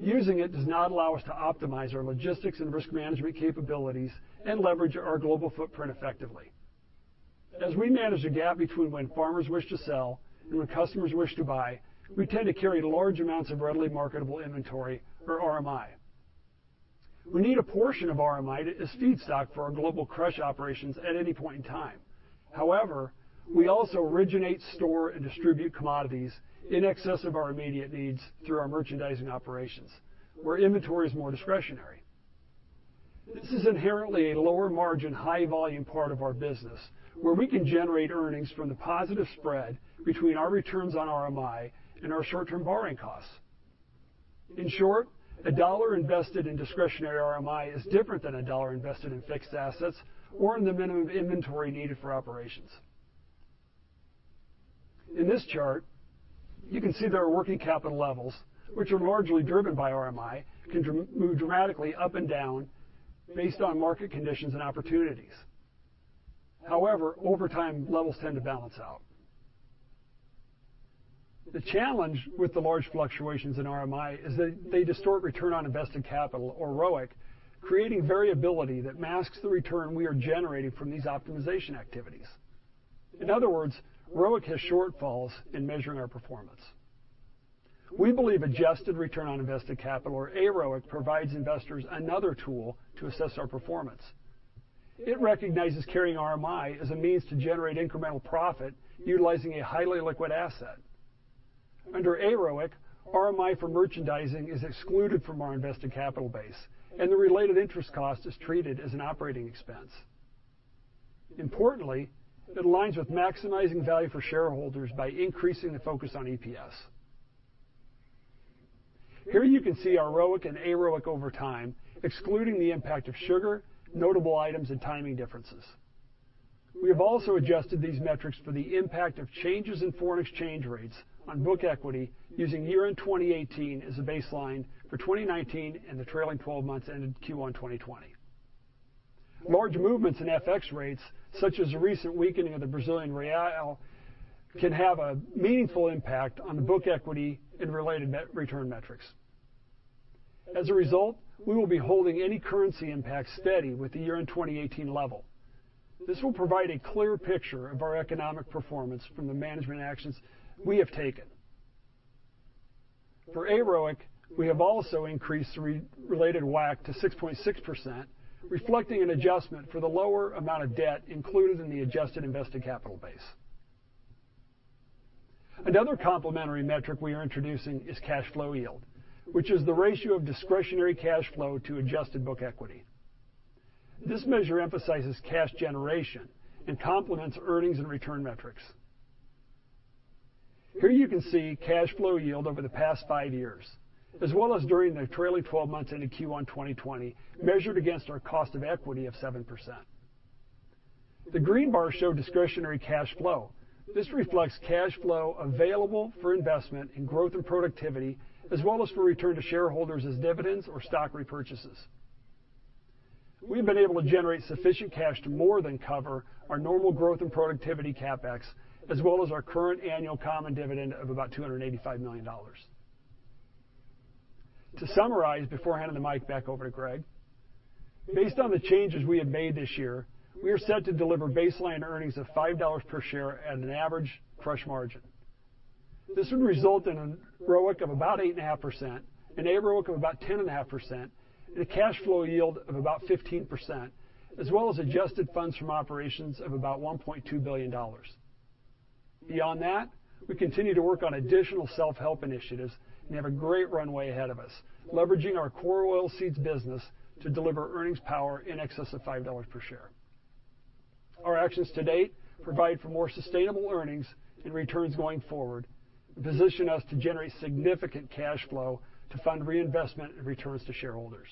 Using it does not allow us to optimize our logistics and risk management capabilities and leverage our global footprint effectively. As we manage the gap between when farmers wish to sell and when customers wish to buy, we tend to carry large amounts of readily marketable inventory or RMI. We need a portion of RMI as feedstock for our global crush operations at any point in time. However, we also originate, store, and distribute commodities in excess of our immediate needs through our merchandising operations where inventory is more discretionary. This is inherently a lower margin, high volume part of our business where we can generate earnings from the positive spread between our returns on RMI and our short-term borrowing costs. In short, a dollar invested in discretionary RMI is different than a dollar invested in fixed assets or in the minimum inventory needed for operations. In this chart, you can see that our working capital levels, which are largely driven by RMI, can move dramatically up and down based on market conditions and opportunities. However, over time levels tend to balance out. The challenge with the large fluctuations in RMI is that they distort return on invested capital or ROIC, creating variability that masks the return we are generating from these optimization activities. In other words, ROIC has shortfalls in measuring our performance. We believe adjusted return on invested capital or AROIC provides investors another tool to assess our performance. It recognizes carrying RMI as a means to generate incremental profit utilizing a highly liquid asset. Under AROIC, RMI for merchandising is excluded from our invested capital base, and the related interest cost is treated as an operating expense. Importantly, it aligns with maximizing value for shareholders by increasing the focus on EPS. Here you can see our ROIC and AROIC over time, excluding the impact of sugar, notable items, and timing differences. We have also adjusted these metrics for the impact of changes in foreign exchange rates on book equity using year-end 2018 as a baseline for 2019 and the trailing 12 months ended Q1 2020. Large movements in FX rates, such as the recent weakening of the Brazilian real, can have a meaningful impact on the book equity and related return metrics. As a result, we will be holding any currency impact steady with the year-end 2018 level. This will provide a clear picture of our economic performance from the management actions we have taken. For AROIC, we have also increased the related WACC to 6.6%, reflecting an adjustment for the lower amount of debt included in the adjusted invested capital base. Another complementary metric we are introducing is cash flow yield, which is the ratio of discretionary cash flow to adjusted book equity. This measure emphasizes cash generation and complements earnings and return metrics. Here you can see cash flow yield over the past five years, as well as during the trailing 12 months into Q1 2020, measured against our cost of equity of 7%. The green bars show discretionary cash flow. This reflects cash flow available for investment in growth and productivity, as well as for return to shareholders as dividends or stock repurchases. We have been able to generate sufficient cash to more than cover our normal growth and productivity CapEx, as well as our current annual common dividend of about $285 million. To summarize, before I hand the mic back over to Greg, based on the changes we have made this year, we are set to deliver baseline earnings of $5 per share at an average crush margin. This would result in an ROIC of about 8.5% and AROIC of about 10.5% and a cash flow yield of about 15%, as well as adjusted funds from operations of about $1.2 billion. Beyond that, we continue to work on additional self-help initiatives and have a great runway ahead of us, leveraging our core oilseeds business to deliver earnings power in excess of $5 per share. Our actions to date provide for more sustainable earnings and returns going forward and position us to generate significant cash flow to fund reinvestment and returns to shareholders.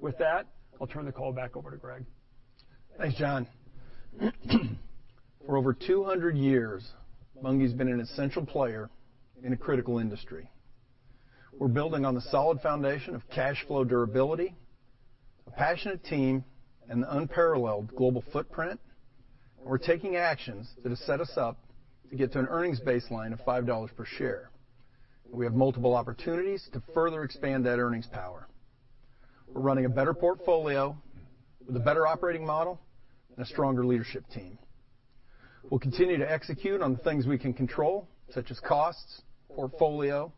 With that, I'll turn the call back over to Greg. Thanks, John. For over 200 years, Bunge has been an essential player in a critical industry. We're building on the solid foundation of cash flow durability, a passionate team, and an unparalleled global footprint. We're taking actions that have set us up to get to an earnings baseline of $5 per share. We have multiple opportunities to further expand that earnings power. We're running a better portfolio with a better operating model and a stronger leadership team. We'll continue to execute on the things we can control, such as costs, portfolio,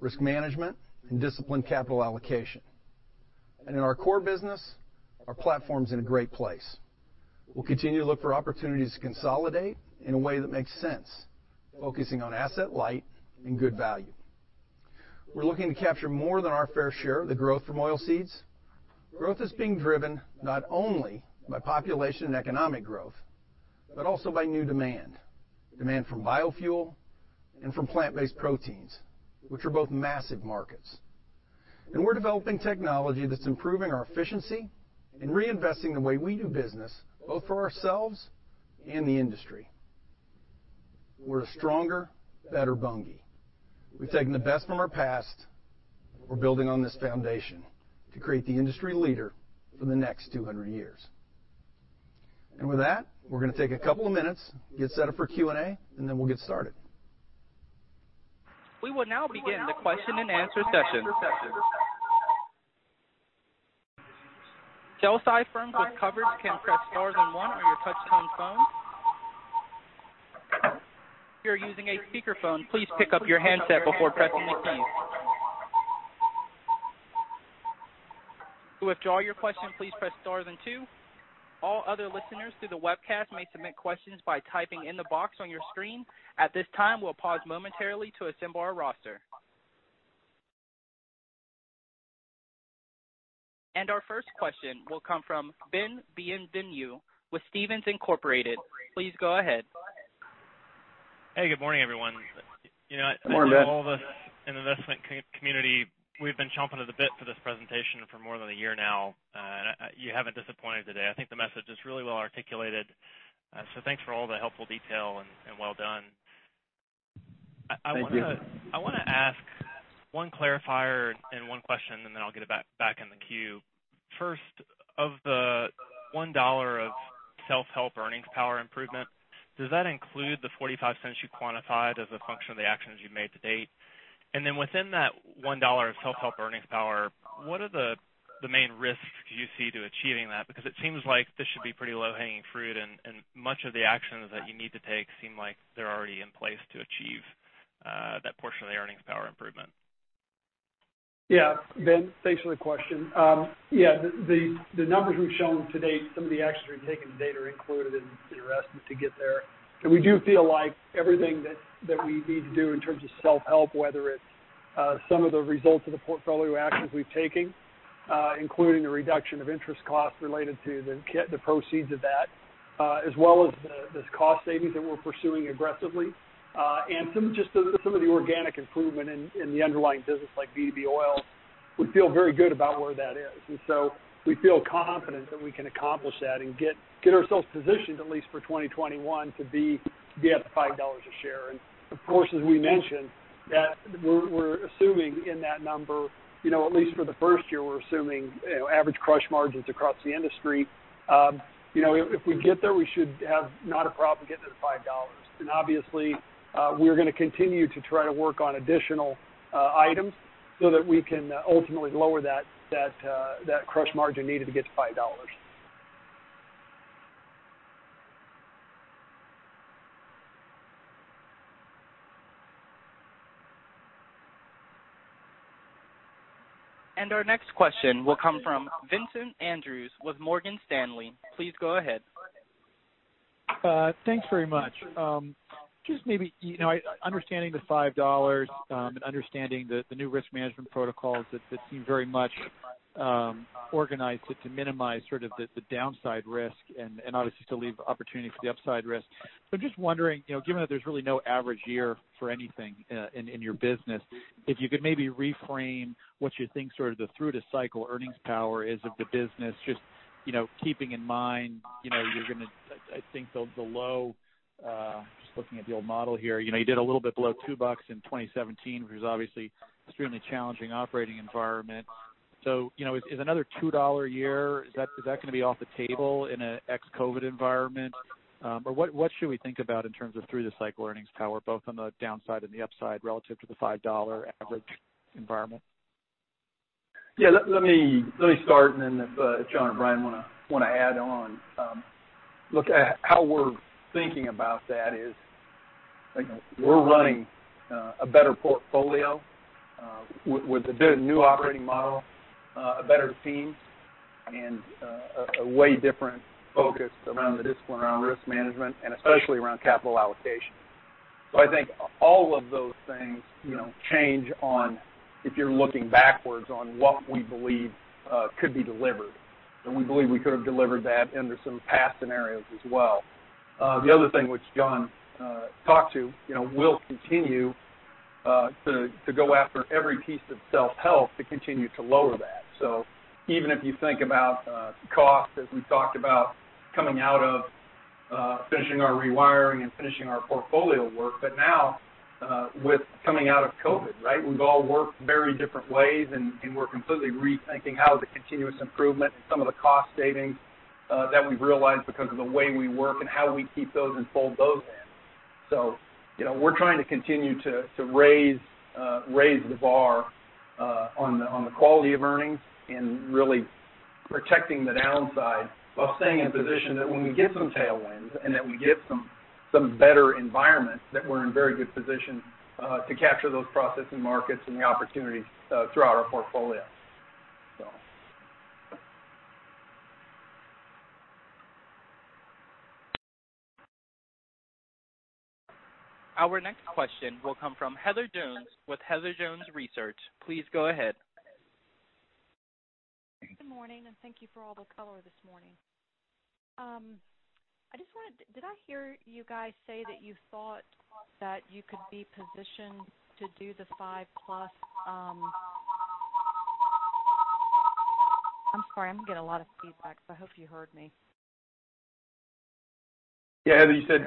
risk management, and disciplined capital allocation. In our core business, our platform's in a great place. We'll continue to look for opportunities to consolidate in a way that makes sense, focusing on asset light and good value. We're looking to capture more than our fair share of the growth from oilseeds. Growth is being driven not only by population and economic growth, but also by new demand. Demand from biofuel and from plant-based proteins, which are both massive markets. We're developing technology that's improving our efficiency and reinvesting the way we do business, both for ourselves and the industry. We're a stronger, better Bunge. We've taken the best from our past, we're building on this foundation to create the industry leader for the next 200 years. With that, we're going to take a couple of minutes, get set up for Q&A, then we'll get started. We will now begin the question and answer session. Sell-side firms with coverage can press star then one on your touchtone phone. If you're using a speakerphone, please pick up your handset before pressing the keys. To withdraw your question, please press star then two. All other listeners through the webcast may submit questions by typing in the box on your screen. At this time, we'll pause momentarily to assemble our roster. Our first question will come from Ben Bienvenu with Stephens Inc. Please go ahead. Hey, good morning, everyone. Good morning, Ben. I think all of us in the investment community, we've been chomping at the bit for this presentation for more than a year now. You haven't disappointed today. I think the message is really well articulated. Thanks for all the helpful detail, and well done. Thank you. I want to ask one clarifier and one question. Then I'll get back in the queue. First, of the $1 of self-help earnings power improvement, does that include the $0.45 you quantified as a function of the actions you've made to date? Within that $1 of self-help earnings power, what are the main risks you see to achieving that? It seems like this should be pretty low-hanging fruit, and much of the actions that you need to take seem like they're already in place to achieve that portion of the earnings power improvement. Ben, thanks for the question. The numbers we've shown to date, some of the actions we've taken to date are included in your estimate to get there. We do feel like everything that we need to do in terms of self-help, whether it's some of the results of the portfolio actions we've taken including the reduction of interest costs related to the proceeds of that as well as the cost savings that we're pursuing aggressively, and some of the organic improvement in the underlying business like B2B oil, we feel very good about where that is. We feel confident that we can accomplish that and get ourselves positioned at least for 2021 to be at the $5 a share. Of course, as we mentioned, that we're assuming in that number, at least for the first year, we're assuming average crush margins across the industry. If we get there, we should have not a problem getting to the $5. Obviously, we're going to continue to try to work on additional items so that we can ultimately lower that crush margin needed to get to $5. Our next question will come from Vincent Andrews with Morgan Stanley. Please go ahead. Thanks very much. Just maybe, understanding the $5, and understanding the new risk management protocols that seem very much organized to minimize the downside risk and obviously to leave opportunity for the upside risk. Just wondering, given that there's really no average year for anything in your business, if you could maybe reframe what you think the through-the-cycle earnings power is of the business, just keeping in mind I think the low, just looking at the old model here, you did a little bit below $2 in 2017, which was obviously extremely challenging operating environment. What should we think about in terms of through-the-cycle earnings power, both on the downside and the upside relative to the $5 average environment? Yeah, let me start and then if John or Brian want to add on. Look, how we're thinking about that is we're running a better portfolio with a new operating model, a better team, and a way different focus around the discipline, around risk management, and especially around capital allocation. I think all of those things change on if you're looking backwards on what we believe could be delivered. We believe we could have delivered that under some past scenarios as well. The other thing which John talked to, we'll continue to go after every piece of self-help to continue to lower that. Even if you think about cost, as we talked about coming out of finishing our rewiring and finishing our portfolio work, but now with coming out of COVID, we've all worked very different ways and we're completely rethinking how the continuous improvement and some of the cost savings that we've realized because of the way we work and how we keep those and fold those in. We're trying to continue to raise the bar on the quality of earnings and really protecting the downside while staying in a position that when we get some tailwinds and that we get some better environments, that we're in very good position to capture those processes and markets and the opportunities throughout our portfolio. Our next question will come from Heather Jones with Heather Jones Research. Please go ahead. Good morning. Thank you for all the color this morning. Did I hear you guys say that you thought that you could be positioned to do the five plus? I'm sorry. I'm getting a lot of feedback. I hope you heard me. Yeah, Heather, you said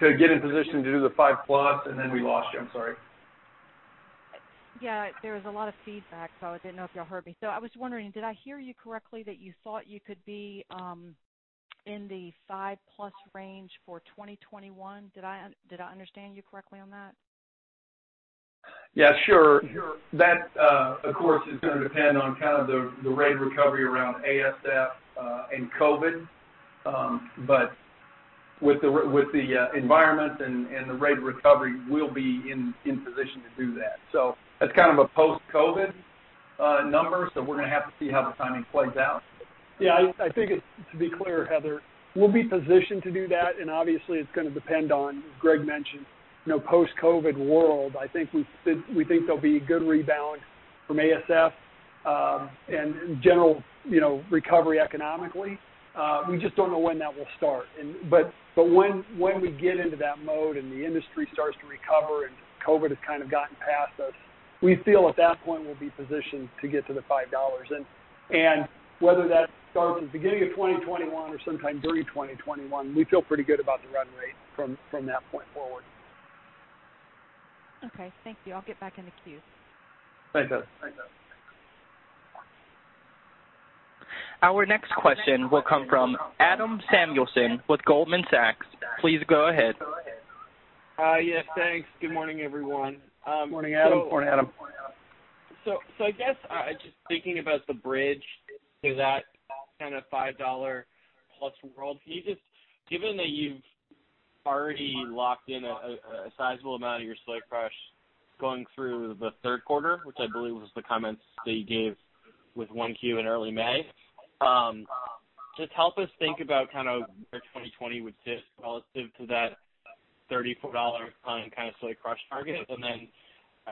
to get in position to do the five plus, then we lost you. I'm sorry. Yeah. There was a lot of feedback, so I didn't know if y'all heard me. I was wondering, did I hear you correctly that you thought you could be in the $5+ range for 2021? Did I understand you correctly on that? Yeah, sure. That, of course, is going to depend on the rate of recovery around ASF and COVID. With the environment and the rate of recovery, we'll be in position to do that. That's a post-COVID number, so we're going to have to see how the timing plays out. Yeah, I think to be clear, Heather, we'll be positioned to do that. Obviously it's going to depend on, as Greg mentioned, post-COVID world. We think there'll be a good rebound from ASF, general recovery economically. We just don't know when that will start. When we get into that mode and the industry starts to recover and COVID has gotten past us, we feel at that point we'll be positioned to get to the $5. Whether that starts at the beginning of 2021 or sometime during 2021, we feel pretty good about the run rate from that point forward. Okay, thank you. I'll get back in the queue. Thanks, Heather. Our next question will come from Adam Samuelson with Goldman Sachs. Please go ahead. Yes, thanks. Good morning, everyone. Morning, Adam. Morning, Adam. I guess just thinking about the bridge to that kind of $5+ world. Can you just, given that you've already locked in a sizable amount of your soy crush going through the third quarter, which I believe was the comments that you gave with Q1 in early May, just help us think about where 2020 would sit relative to that $34 plan soy crush target.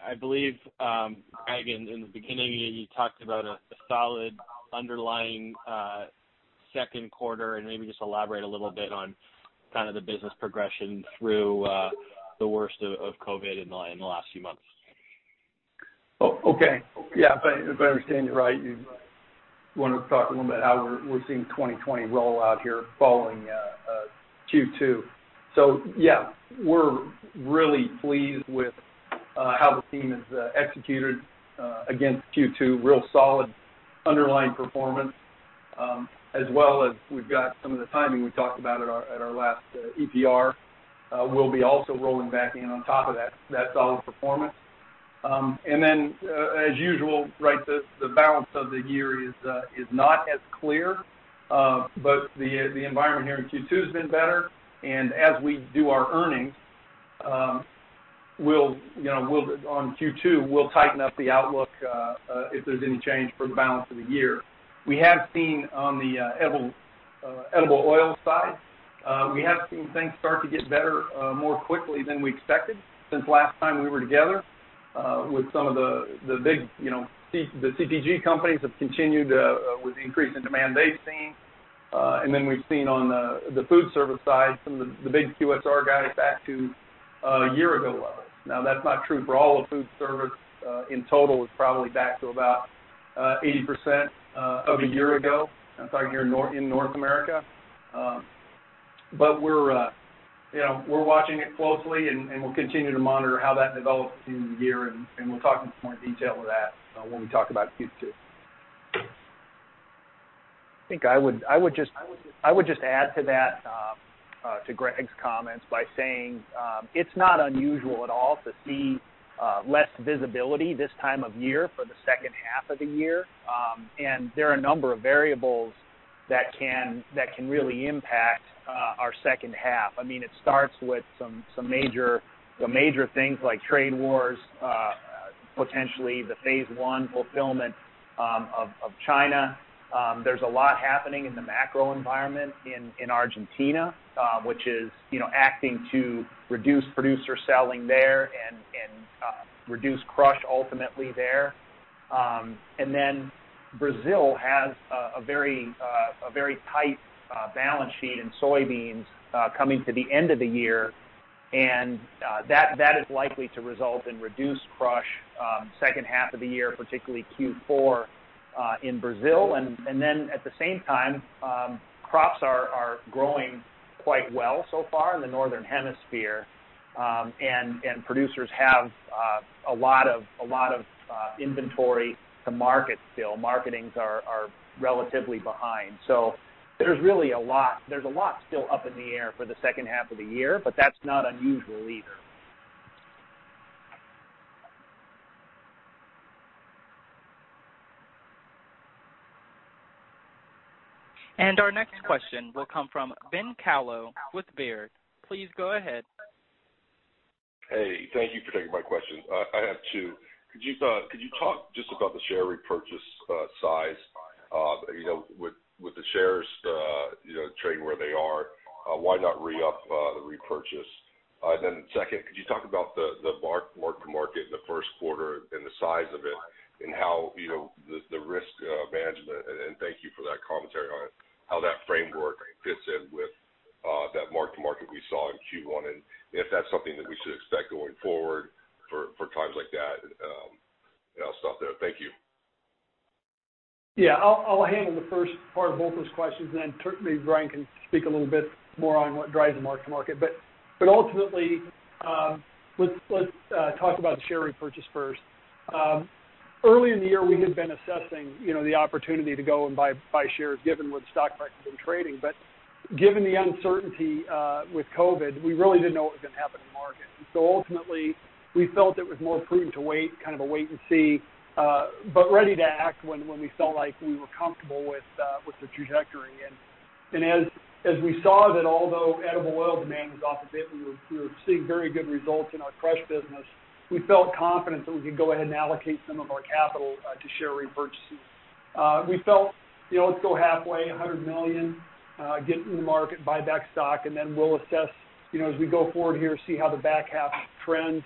I believe, Greg, in the beginning, you talked about a solid underlying Q2, and maybe just elaborate a little bit on the business progression through the worst of COVID in the last few months. Okay. Yeah. If I understand you right, you want to talk a little about how we're seeing 2020 roll out here following Q2. Yeah, we're really pleased with how the team has executed against Q2. Real solid underlying performance, as well as we've got some of the timing we talked about at our last EPR will be also rolling back in on top of that solid performance. As usual, the balance of the year is not as clear. The environment here in Q2's been better. As we do our earnings on Q2, we'll tighten up the outlook if there's any change for the balance of the year. On the edible oil side, we have seen things start to get better more quickly than we expected since last time we were together with some of the big CPG companies have continued with the increase in demand they've seen. We've seen on the food service side, some of the big QSR guys back to a year ago levels. That's not true for all of food service. In total, it's probably back to about 80% of a year ago. I'm talking here in North America. We're watching it closely, and we'll continue to monitor how that develops through the year, and we'll talk in some more detail of that when we talk about Q2. I think I would just add to that, to Greg's comments by saying it's not unusual at all to see less visibility this time of year for the H2 of the year. There are a number of variables that can really impact our H2. It starts with some major things like trade wars, potentially the Phase One fulfillment of China. There's a lot happening in the macro environment in Argentina, which is acting to reduce producer selling there and reduce crush ultimately there. Brazil has a very tight balance sheet in soybeans coming to the end of the year, and that is likely to result in reduced crush H2 of the year, particularly Q4 in Brazil. At the same time, crops are growing quite well so far in the northern hemisphere. Producers have a lot of inventory to market still. Marketings are relatively behind. There's a lot still up in the air for the H2 of the year, but that's not unusual either. Our next question will come from Ben Kallo with Baird. Please go ahead. Hey, thank you for taking my questions. I have two. Could you talk just about the share repurchase size? With the shares trading where they are, why not re-up the repurchase? Second, could you talk about the mark-to-market in the Q1 and the size of it, and the risk management. Thank you for that commentary on how that framework fits in with that mark-to-market we saw in Q1, and if that's something that we should expect going forward for times like that. I'll stop there. Thank you. Yeah, I'll handle the first part of both those questions, and then maybe Brian can speak a little bit more on what drives the mark-to-market. Ultimately, let's talk about the share repurchase first. Earlier in the year, we had been assessing the opportunity to go and buy shares, given where the stock price had been trading. Given the uncertainty with COVID, we really didn't know what was going to happen in the market. Ultimately, we felt it was more prudent to wait, kind of a wait and see. Ready to act when we felt like we were comfortable with the trajectory. As we saw that although edible oil demand was off a bit, we were seeing very good results in our crush business. We felt confident that we could go ahead and allocate some of our capital to share repurchases. We felt, let's go halfway, $100 million, get in the market, buy back stock, then we'll assess as we go forward here, see how the back half trends.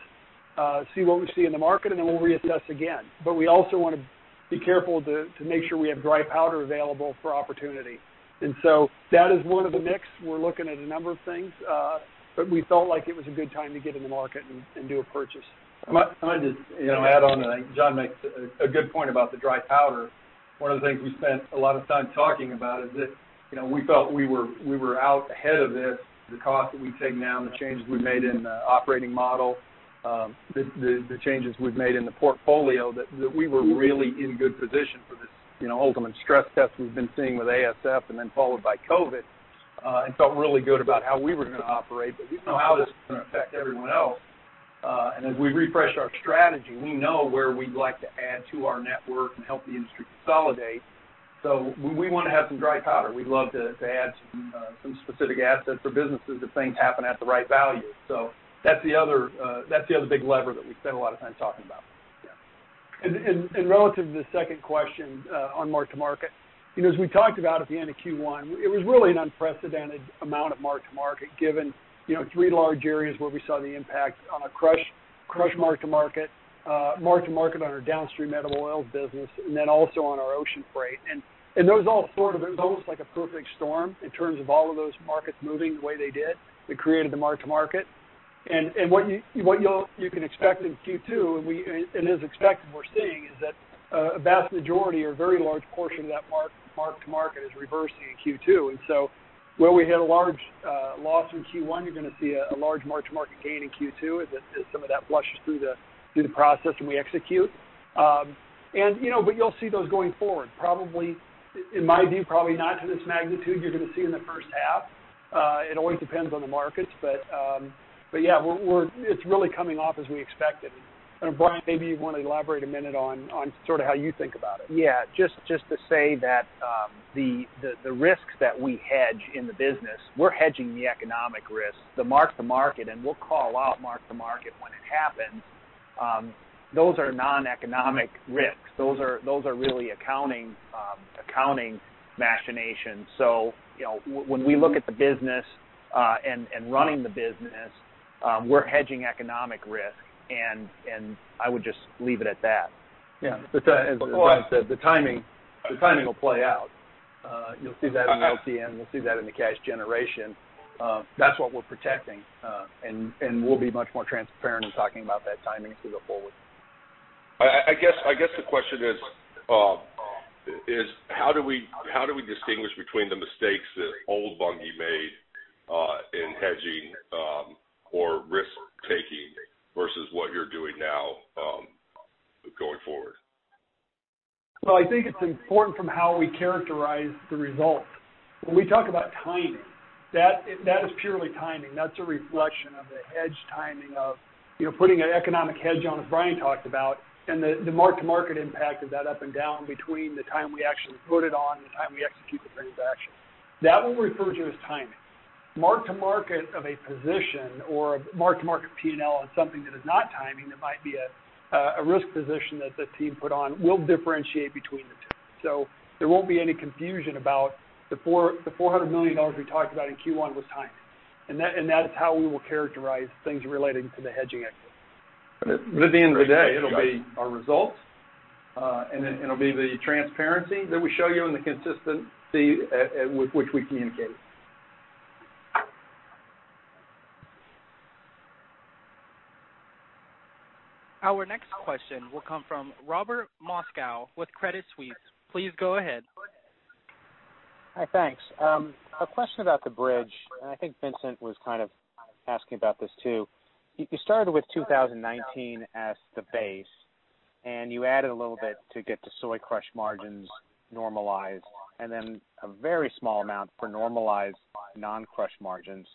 See what we see in the market, we'll reassess again. We also want to be careful to make sure we have dry powder available for opportunity. That is one of the mix. We're looking at a number of things. We felt like it was a good time to get in the market and do a purchase. I might just add on. John makes a good point about the dry powder. One of the things we spent a lot of time talking about is that we felt we were out ahead of this. The cost that we've taken down, the changes we've made in the operating model, the changes we've made in the portfolio, that we were really in good position for this ultimate stress test we've been seeing with ASF and then followed by COVID. Felt really good about how we were going to operate. We didn't know how this was going to affect everyone else. As we refresh our strategy, we know where we'd like to add to our network and help the industry consolidate. We want to have some dry powder. We'd love to add some specific assets for businesses, if things happen at the right value. That's the other big lever that we spent a lot of time talking about. Relative to the second question on mark-to-market, as we talked about at the end of Q1, it was really an unprecedented amount of mark-to-market given three large areas where we saw the impact on our crush mark-to-market, mark-to-market on our downstream edible oils business, and then also on our ocean freight. Those all sort of, it was almost like a perfect storm in terms of all of those markets moving the way they did that created the mark-to-market. What you can expect in Q2, and as expected, we're seeing, is that a vast majority or a very large portion of that mark-to-market is reversing in Q2. Where we had a large loss in Q1, you're going to see a large mark-to-market gain in Q2 as some of that flushes through the process, and we execute. You'll see those going forward. Probably, in my view, probably not to this magnitude you're going to see in the H1. It always depends on the markets. Yeah, it's really coming off as we expected. Brian, maybe you want to elaborate a minute on sort of how you think about it. Just to say that the risks that we hedge in the business, we're hedging the economic risks. The mark-to-market, and we'll call out mark-to-market when it happens. Those are non-economic risks. Those are really accounting machinations. When we look at the business and running the business, we're hedging economic risk, and I would just leave it at that. Yeah. As Brian said, the timing will play out. You'll see that in the LTM, you'll see that in the cash generation. That's what we're protecting. We'll be much more transparent in talking about that timing as we go forward. I guess the question is how do we distinguish between the mistakes that old Bunge made in hedging or risk-taking versus what you're doing now going forward? I think it's important from how we characterize the results. When we talk about timing, that is purely timing. That's a reflection of the hedge timing of putting an economic hedge on, as Brian talked about, and the mark-to-market impact of that up and down between the time we actually put it on and the time we execute the transaction. That we'll refer to as timing. Mark-to-market of a position or mark-to-market P&L on something that is not timing, that might be a risk position that the team put on, we'll differentiate between the two. There won't be any confusion about the $400 million we talked about in Q1 was timing. That is how we will characterize things relating to the hedging activity. At the end of the day, it'll be our results, and it'll be the transparency that we show you and the consistency with which we communicate. Our next question will come from Robert Moskow with Credit Suisse. Please go ahead. Hi, thanks. A question about the bridge, and I think Vincent was kind of asking about this, too. You started with 2019 as the base, and you added a little bit to get the soy crush margins normalized, and then a very small amount for normalized non-crush margins.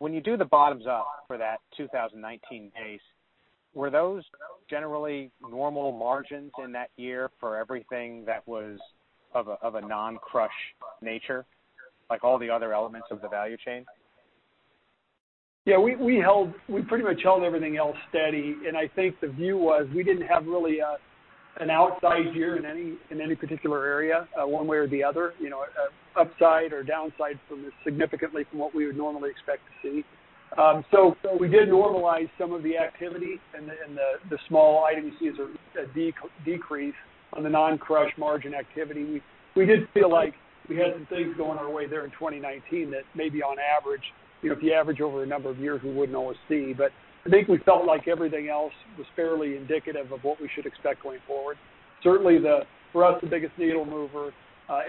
When you do the bottoms up for that 2019 base, were those generally normal margins in that year for everything that was of a non-crush nature? Like all the other elements of the value chain? Yeah, we pretty much held everything else steady. I think the view was we didn't have really an outside year in any particular area one way or the other, upside or downside significantly from what we would normally expect to see. We did normalize some of the activity, and the small item you see is a decrease on the non-crush margin activity. We did feel like we had some things going our way there in 2019 that maybe on average, if you average over a number of years, we wouldn't always see. I think we felt like everything else was fairly indicative of what we should expect going forward. Certainly for us, the biggest needle mover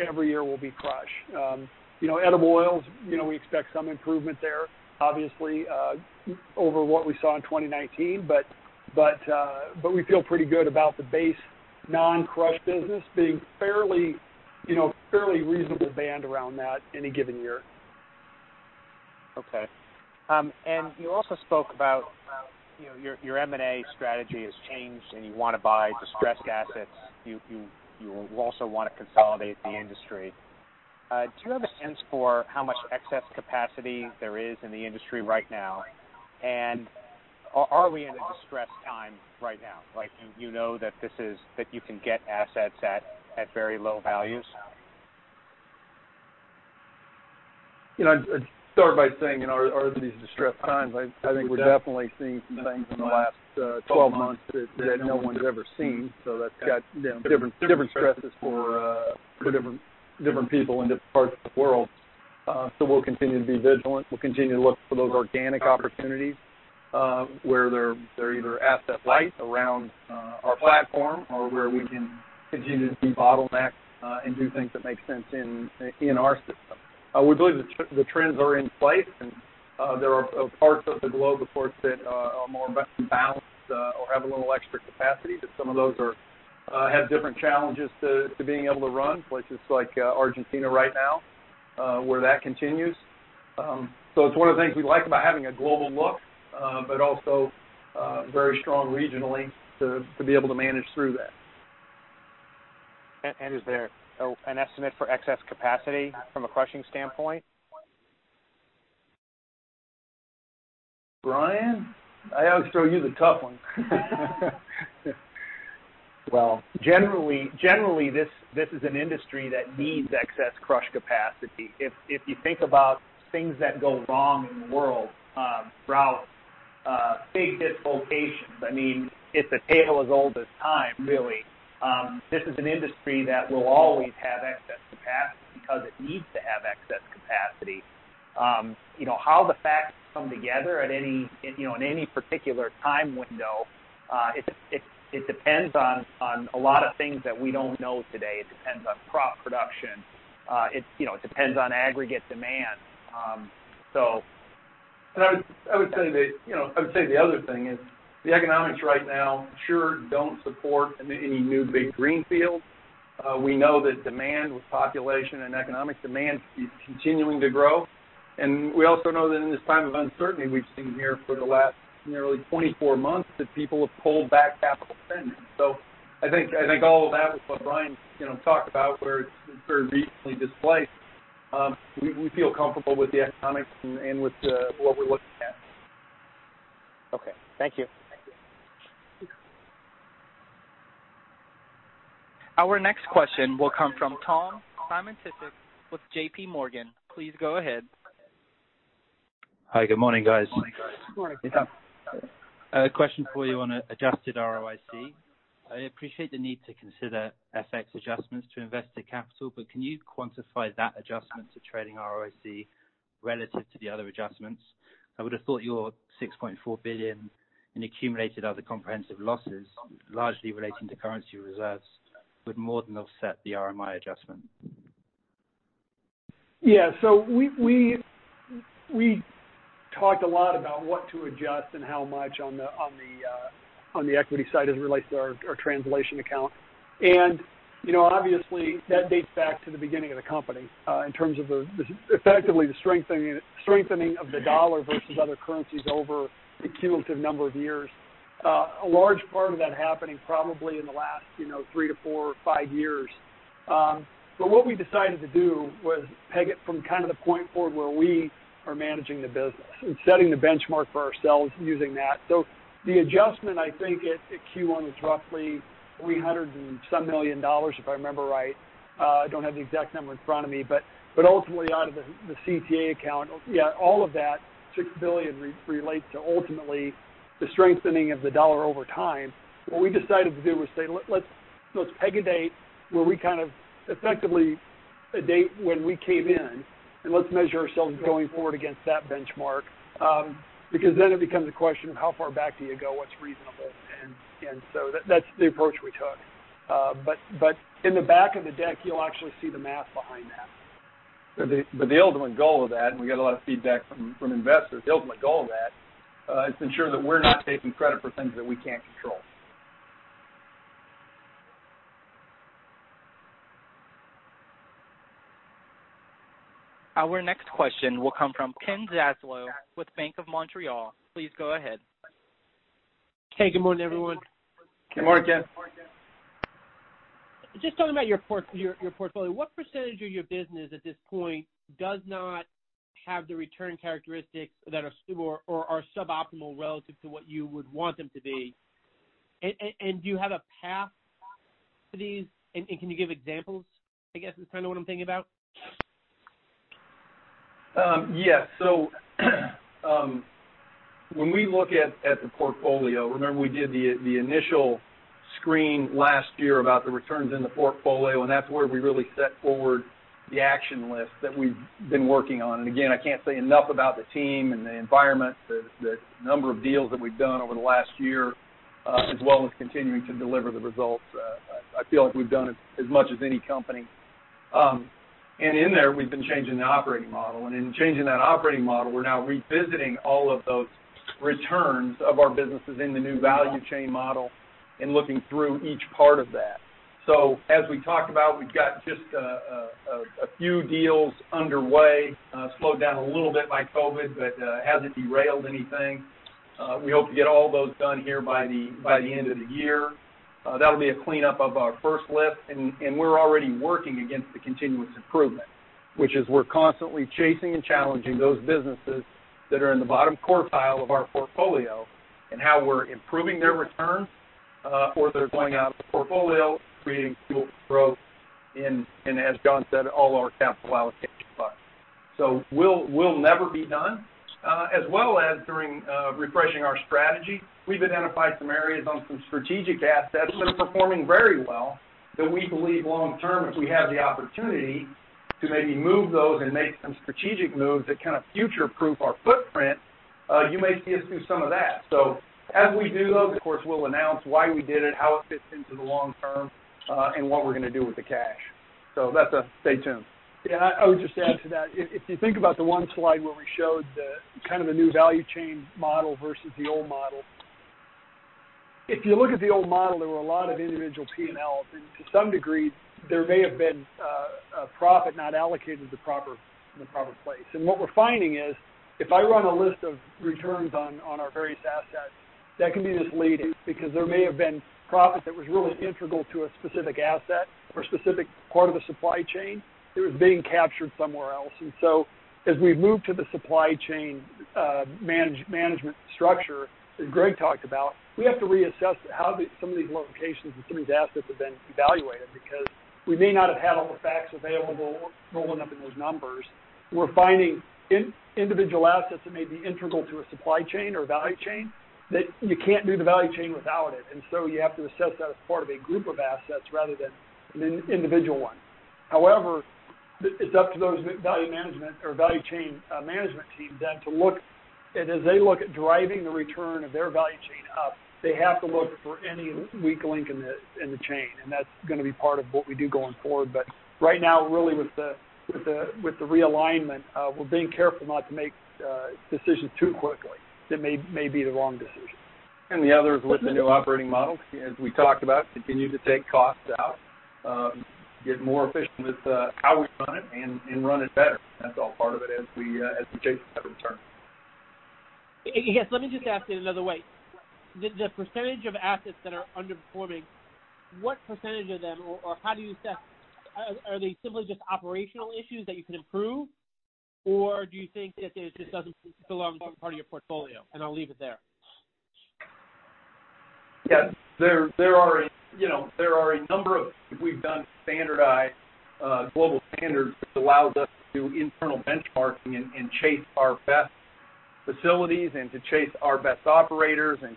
every year will be crush. Edible oils we expect some improvement there, obviously, over what we saw in 2019. We feel pretty good about the base non-crush business being fairly reasonable band around that any given year. Okay. You also spoke about your M&A strategy has changed, and you want to buy distressed assets. You also want to consolidate the industry. Do you have a sense for how much excess capacity there is in the industry right now? Are we in a distressed time right now? You know that you can get assets at very low values? I'd start by saying, are these distressed times? I think we've definitely seen some things in the last 12 months that no one's ever seen. That's got different stresses for different people in different parts of the world. We'll continue to be vigilant. We'll continue to look for those organic opportunities, where they're either asset light around our platform or where we can continue to de-bottleneck and do things that make sense in our system. We believe the trends are in place, and there are parts of the globe, of course, that are more balanced or have a little extra capacity. Some of those have different challenges to being able to run. Places like Argentina right now, where that continues. It's one of the things we like about having a global look, but also very strong regionally to be able to manage through that. Is there an estimate for excess capacity from a crushing standpoint? Brian? I always throw you the tough one. Well- Generally, this is an industry that needs excess crush capacity. If you think about things that go wrong in the world, drought, big dislocations, it's a tale as old as time, really. This is an industry that will always have excess capacity because it needs to have excess capacity. How the facts come together in any particular time window, it depends on a lot of things that we don't know today. It depends on crop production. It depends on aggregate demand. I would say the other thing is, the economics right now sure don't support any new big greenfields. We know that demand with population and economic demand is continuing to grow. We also know that in this time of uncertainty we've seen here for the last nearly 24 months, that people have pulled back capital spending. I think all of that, with what Brian talked about, where it's very regionally displaced. We feel comfortable with the economics and with what we're looking at. Okay. Thank you. Thank you. Our next question will come from Tom Simonitsch with J.P. Morgan. Please go ahead. Hi. Good morning, guys. Good morning. Hey, Tom. A question for you on adjusted ROIC. I appreciate the need to consider FX adjustments to invested capital, but can you quantify that adjustment to trailing ROIC relative to the other adjustments? I would have thought your $6.4 billion in accumulated other comprehensive losses, largely relating to currency reserves, would more than offset the RMI adjustment. Yeah. We talked a lot about what to adjust and how much on the equity side as it relates to our translation account. Obviously, that dates back to the beginning of the company, in terms of effectively the strengthening of the dollar versus other currencies over a cumulative number of years. A large part of that happening probably in the last three to four or five years. What we decided to do was peg it from the point forward where we are managing the business and setting the benchmark for ourselves using that. The adjustment, I think at Q1, is roughly $300 million, if I remember right. I don't have the exact number in front of me, but ultimately out of the CTA account. Yeah, all of that, $6 billion relates to ultimately the strengthening of the dollar over time. What we decided to do was say, "Let's peg a date where we came in, and let's measure ourselves going forward against that benchmark." It becomes a question of how far back do you go? What's reasonable? That's the approach we took. In the back of the deck, you'll actually see the math behind that. The ultimate goal of that, and we get a lot of feedback from investors. The ultimate goal of that is ensure that we're not taking credit for things that we can't control. Our next question will come from Ken Zaslow with Bank of Montreal. Please go ahead. Hey, good morning, everyone. Good morning, Ken. Good morning. Just talking about your portfolio, what percentage of your business at this point does not have the return characteristics that are sub-optimal relative to what you would want them to be? Do you have a path for these, and can you give examples, I guess, is kind of what I'm thinking about? Yes. When we look at the portfolio, remember we did the initial screen last year about the returns in the portfolio. That's where we really set forward the action list that we've been working on. Again, I can't say enough about the team and the environment, the number of deals that we've done over the last year, as well as continuing to deliver the results. I feel like we've done as much as any company. In there, we've been changing the operating model. In changing that operating model, we're now revisiting all of those returns of our businesses in the new value chain model and looking through each part of that. As we talked about, we've got just a few deals underway, slowed down a little bit by COVID, but hasn't derailed anything. We hope to get all those done here by the end of the year. That'll be a cleanup of our first lift, and we're already working against the continuous improvement, which is we're constantly chasing and challenging those businesses that are in the bottom quartile of our portfolio and how we're improving their returns. They're going out of the portfolio, creating fuel for growth in, as John said, all our capital allocation plans. We'll never be done. As well as during refreshing our strategy, we've identified some areas on some strategic assets that are performing very well that we believe long-term, if we have the opportunity to maybe move those and make some strategic moves that kind of future-proof our footprint, you may see us do some of that. As we do those, of course, we'll announce why we did it, how it fits into the long term, and what we're going to do with the cash. That's a stay tuned. Yeah, I would just add to that. If you think about the one slide where we showed the kind of the new value chain model versus the old model. If you look at the old model, there were a lot of individual P&Ls, and to some degree, there may have been profit not allocated in the proper place. What we're finding is if I run a list of returns on our various assets, that can be misleading because there may have been profit that was really integral to a specific asset or a specific part of a supply chain that was being captured somewhere else. As we move to the supply chain management structure that Greg talked about, we have to reassess how some of these locations and some of these assets have been evaluated because we may not have had all the facts available rolling up in those numbers. We're finding individual assets that may be integral to a supply chain or value chain that you can't do the value chain without it. You have to assess that as part of a group of assets rather than an individual one. However, it's up to those value management or value chain management team then and as they look at driving the return of their value chain up, they have to look for any weak link in the chain, and that's going to be part of what we do going forward. Right now, really with the realignment, we're being careful not to make decisions too quickly that may be the wrong decision. The others with the new operating model, as we talked about, continue to take costs out, get more efficient with how we run it and run it better. That's all part of it as we chase that return. Yes. Let me just ask it another way. The percentage of assets that are underperforming, what percentage of them or how do you assess? Are they simply just operational issues that you can improve? Or do you think that it just doesn't belong as part of your portfolio? I'll leave it there. Yeah. We've done standardized global standards, which allows us to do internal benchmarking and chase our best facilities and to chase our best operators and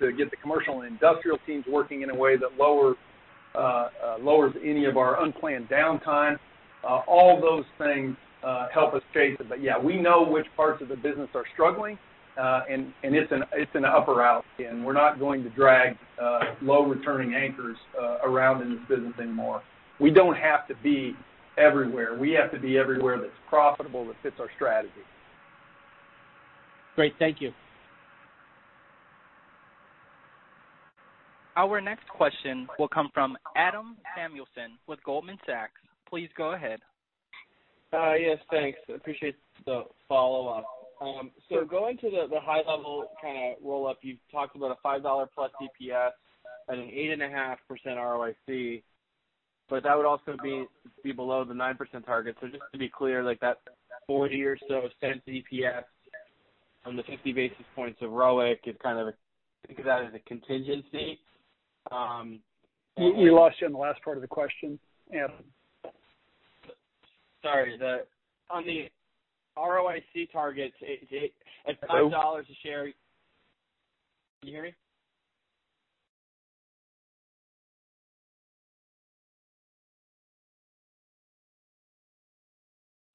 to get the commercial and industrial teams working in a way that lowers any of our unplanned downtime. All those things help us chase it. Yeah, we know which parts of the business are struggling, and it's an up or out scheme. We're not going to drag low returning anchors around in this business anymore. We don't have to be everywhere. We have to be everywhere that's profitable, that fits our strategy. Great. Thank you. Our next question will come from Adam Samuelson with Goldman Sachs. Please go ahead. Yes, thanks. I appreciate the follow-up. Going to the high-level kind of roll-up, you've talked about a $5+ EPS and an 8.5% ROIC, but that would also be below the 9% target. Just to be clear, like that $0.40 or so EPS on the 50 basis points of ROIC, think of that as a contingency? We lost you on the last part of the question, Adam. Sorry. On the ROIC targets, at $5 a share-- Can you hear me?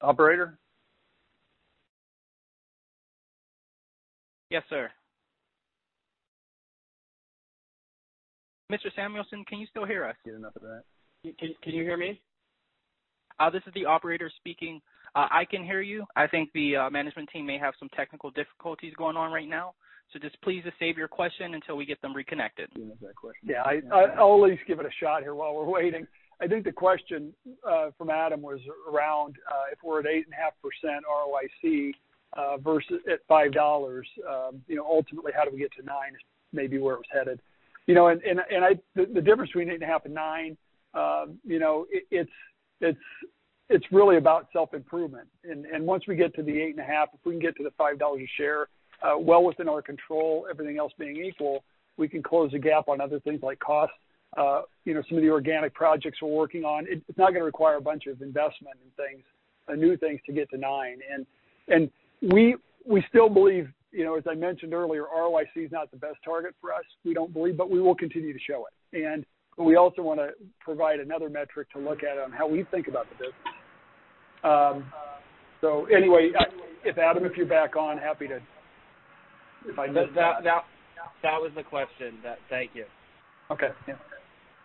Operator? Yes, sir. Mr. Samuelson, can you still hear us? Can you hear me? This is the operator speaking. I can hear you. I think the management team may have some technical difficulties going on right now, so just please save your question until we get them reconnected. He has that question. Yeah, I'll at least give it a shot here while we're waiting. I think the question from Adam was around if we're at 8.5% ROIC versus at $5, ultimately, how do we get to nine is maybe where it was headed. The difference between 8.5% and 9%, it's really about self-improvement. Once we get to the 8.5%, if we can get to the $5 a share, well within our control, everything else being equal, we can close the gap on other things like cost, some of the organic projects we're working on. It's not going to require a bunch of investment in things, new things to get to nine. We still believe, as I mentioned earlier, ROIC is not the best target for us, we don't believe, but we will continue to show it. We also want to provide another metric to look at on how we think about the business. Anyway, Adam, if you're back on, happy to That was the question. Thank you. Okay. Yeah.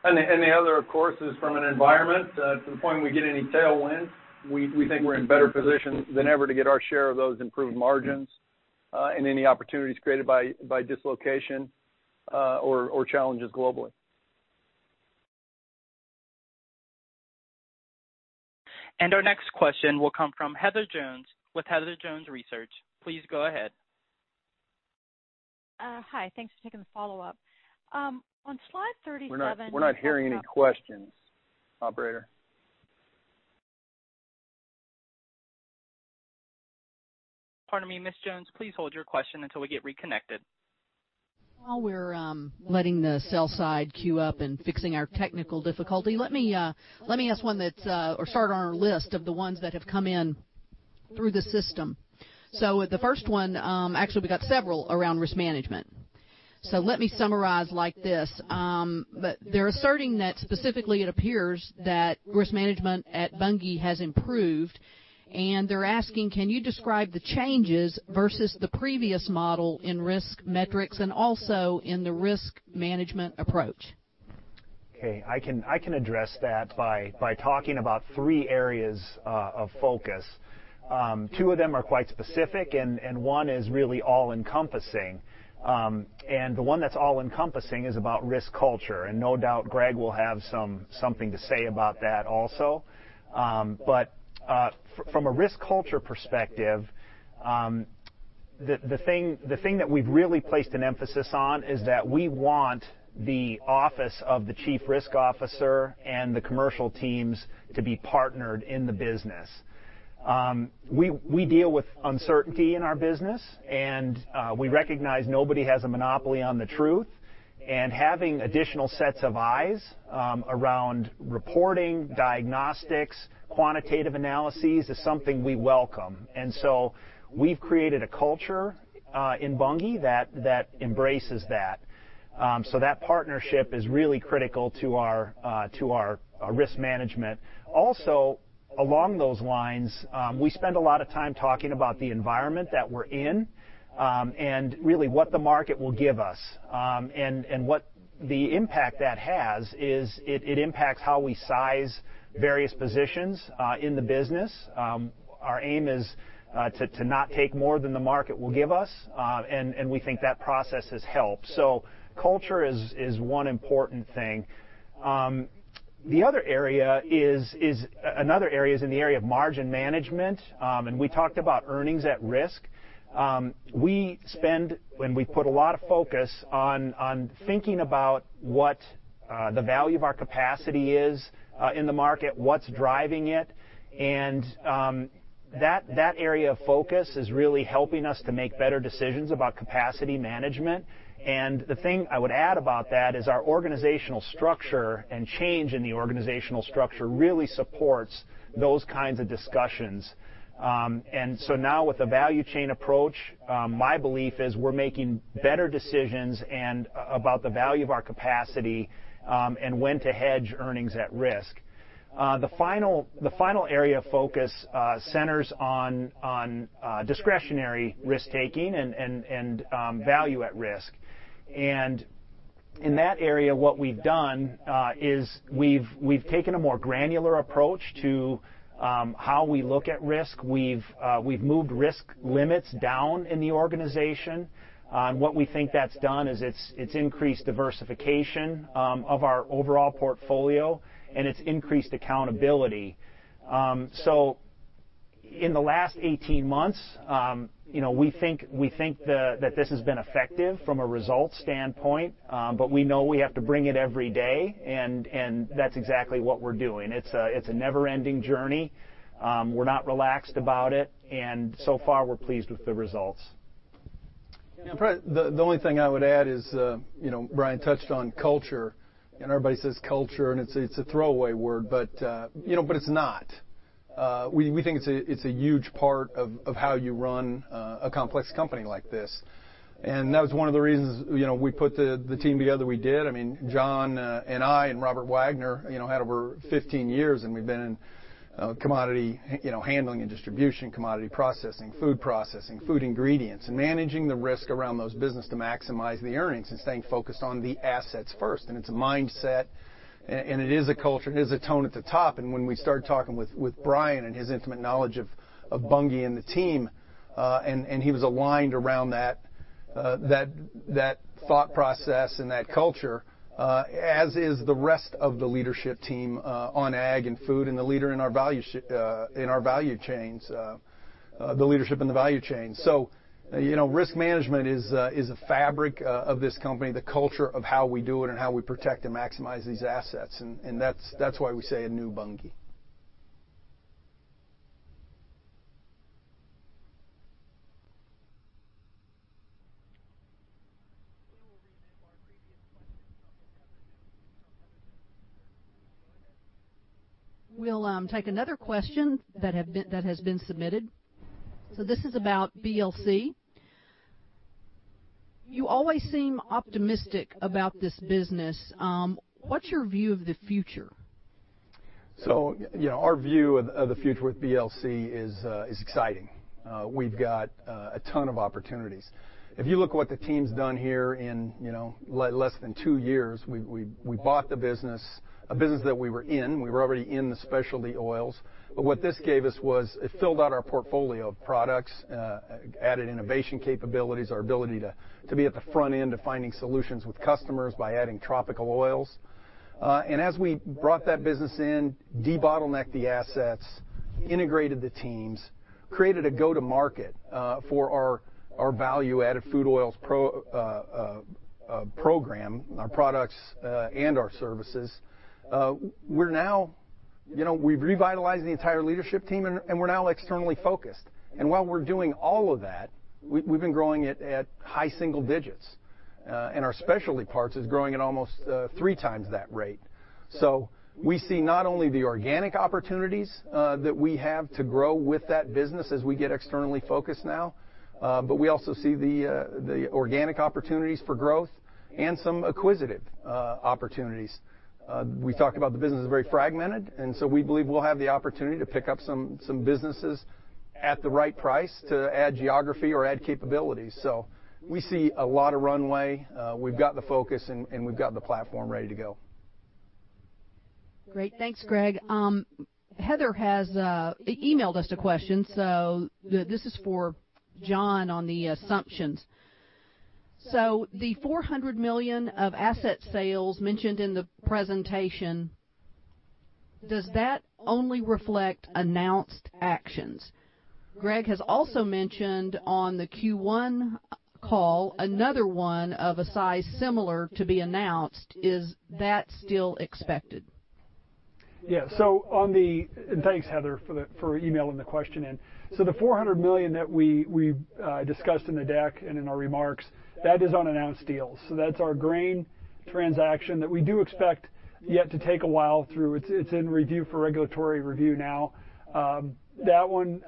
The other, of course, is from an environment. To the point we get any tailwind, we think we're in better position than ever to get our share of those improved margins, and any opportunities created by dislocation or challenges globally. Our next question will come from Heather Jones with Heather Jones Research. Please go ahead. Hi. Thanks for taking the follow-up. On slide 37. We're not hearing any questions, Operator. Pardon me, Ms. Jones. Please hold your question until we get reconnected. While we're letting the sell side queue up and fixing our technical difficulty, let me ask one that's or start on our list of the ones that have come in through the system. The first one, actually, we got several around risk management. Let me summarize like this. They're asserting that specifically it appears that risk management at Bunge has improved, and they're asking, can you describe the changes versus the previous model in risk metrics and also in the risk management approach? Okay. I can address that by talking about three areas of focus. Two of them are quite specific, and one is really all-encompassing. The one that's all-encompassing is about risk culture, no doubt Greg will have something to say about that also. From a risk culture perspective, the thing that we've really placed an emphasis on is that we want the office of the Chief Risk Officer and the commercial teams to be partnered in the business. We deal with uncertainty in our business, and we recognize nobody has a monopoly on the truth. Having additional sets of eyes around reporting, diagnostics, quantitative analyses is something we welcome. We've created a culture in Bunge that embraces that. That partnership is really critical to our risk management. Along those lines, we spend a lot of time talking about the environment that we're in, and really what the market will give us. What the impact that has is it impacts how we size various positions in the business. Our aim is to not take more than the market will give us, and we think that process has helped. Culture is one important thing. The other area is in the area of margin management, and we talked about earnings at risk. We spend and we put a lot of focus on thinking about what the value of our capacity is in the market, what's driving it, and that area of focus is really helping us to make better decisions about capacity management. The thing I would add about that is our organizational structure and change in the organizational structure really supports those kinds of discussions. Now with the value chain approach, my belief is we're making better decisions about the value of our capacity, and when to hedge earnings at risk. The final area of focus centers on discretionary risk-taking and value at risk. In that area, what we've done is we've taken a more granular approach to how we look at risk. We've moved risk limits down in the organization. What we think that's done is it's increased diversification of our overall portfolio, and it's increased accountability. In the last 18 months, we think that this has been effective from a result standpoint, but we know we have to bring it every day, and that's exactly what we're doing. It's a never-ending journey. We're not relaxed about it, and so far, we're pleased with the results. Probably the only thing I would add is, Brian touched on culture, and everybody says culture, and it's a throwaway word, but it's not. We think it's a huge part of how you run a complex company like this. That was one of the reasons we put the team together we did. John and I and Robert Wagner had over 15 years, and we've been in commodity handling and distribution, commodity processing, food processing, food ingredients, and managing the risk around those businesses to maximize the earnings and staying focused on the assets first. It's a mindset, and it is a culture. It is a tone at the top. When we started talking with Brian and his intimate knowledge of Bunge and the team, and he was aligned around that thought process and that culture, as is the rest of the leadership team on ag and food and the leader in our value chains, the leadership in the value chain. Risk management is a fabric of this company, the culture of how we do it and how we protect and maximize these assets, and that's why we say a new Bunge. We will read our previous question from Heather Jones. Go ahead. We'll take another question that has been submitted. This is about BLC. You always seem optimistic about this business. What's your view of the future? Our view of the future with BLC is exciting. We've got a ton of opportunities. If you look what the team's done here in less than two years, we bought the business, a business that we were in, we were already in the specialty oils. What this gave us was, it filled out our portfolio of products, added innovation capabilities, our ability to be at the front end of finding solutions with customers by adding tropical oils. As we brought that business in, debottlenecked the assets, integrated the teams, created a go-to-market for our value-added food oils program, our products and our services. We've revitalized the entire leadership team, and we're now externally focused. While we're doing all of that, we've been growing it at high single digits. Our specialty parts is growing at almost 3x that rate. We see not only the organic opportunities that we have to grow with that business as we get externally focused now, but we also see the organic opportunities for growth and some acquisitive opportunities. We talked about the business is very fragmented, and so we believe we'll have the opportunity to pick up some businesses at the right price to add geography or add capabilities. We see a lot of runway, we've got the focus, and we've got the platform ready to go. Great. Thanks, Greg. Heather has emailed us a question. This is for John on the assumptions. The $400 million of asset sales mentioned in the presentation, does that only reflect announced actions? Greg has also mentioned on the Q1 call, another one of a size similar to be announced. Is that still expected? Yeah. Thanks, Heather, for emailing the question in. The $400 million that we discussed in the deck and in our remarks, that is on announced deals. That's our grain transaction that we do expect yet to take a while through. It's in review for regulatory review now. That one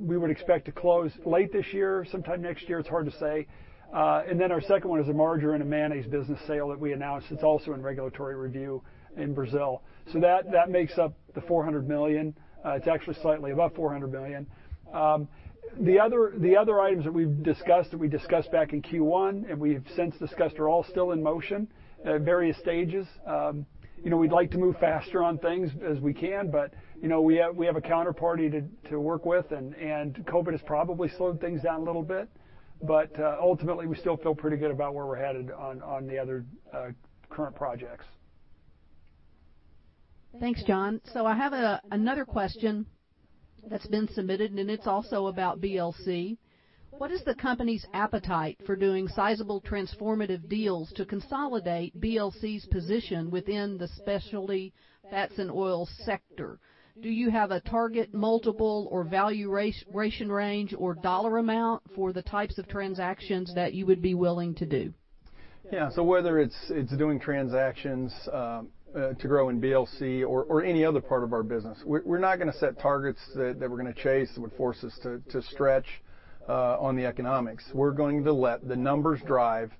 we would expect to close late this year, sometime next year, it's hard to say. Our second one is a margarine and a mayonnaise business sale that we announced. It's also in regulatory review in Brazil. That makes up the $400 million. It's actually slightly above $400 million. The other items that we've discussed, that we discussed back in Q1, and we have since discussed, are all still in motion at various stages. We'd like to move faster on things as we can, but we have a counterparty to work with, and COVID has probably slowed things down a little bit. Ultimately, we still feel pretty good about where we're headed on the other current projects. Thanks, John. I have another question that's been submitted, and it's also about BLC. What is the company's appetite for doing sizable transformative deals to consolidate BLC's position within the specialty fats and oils sector? Do you have a target multiple or valuation range or dollar amount for the types of transactions that you would be willing to do? Yeah. Whether it's doing transactions to grow in BLC or any other part of our business, we're not going to set targets that we're going to chase that would force us to stretch on the economics. We're going to let the numbers drive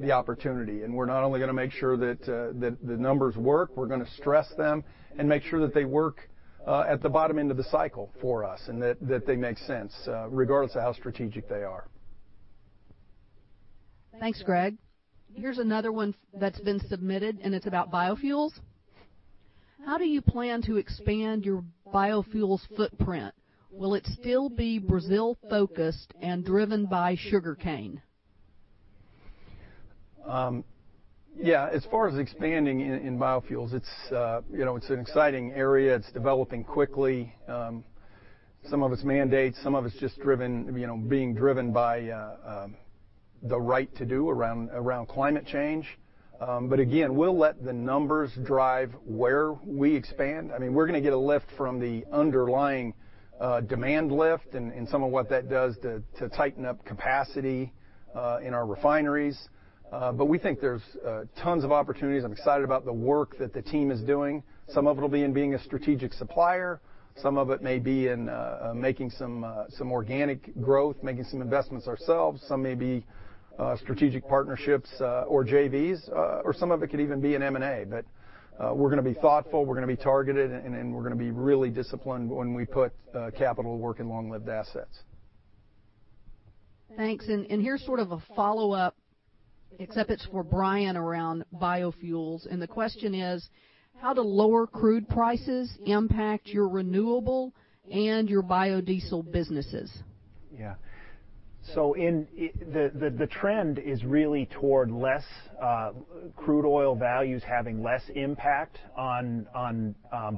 the opportunity, and we're not only going to make sure that the numbers work, we're going to stress them and make sure that they work at the bottom end of the cycle for us, and that they make sense, regardless of how strategic they are. Thanks, Greg. Here's another one that's been submitted. It's about biofuels. How do you plan to expand your biofuels footprint? Will it still be Brazil-focused and driven by sugarcane? Yeah. As far as expanding in biofuels, it's an exciting area. It's developing quickly. Some of it's mandates, some of it's just being driven by the right to do around climate change. Again, we'll let the numbers drive where we expand. I mean, we're going to get a lift from the underlying demand lift and some of what that does to tighten up capacity in our refineries. We think there's tons of opportunities. I'm excited about the work that the team is doing. Some of it will be in being a strategic supplier. Some of it may be in making some organic growth, making some investments ourselves. Some may be strategic partnerships or JVs or some of it could even be in M&A. We're going to be thoughtful, we're going to be targeted, and we're going to be really disciplined when we put capital to work in long-lived assets. Thanks. Here's sort of a follow-up, except it's for Brian around biofuels. The question is, how do lower crude prices impact your renewable and your biodiesel businesses? The trend is really toward less crude oil values having less impact on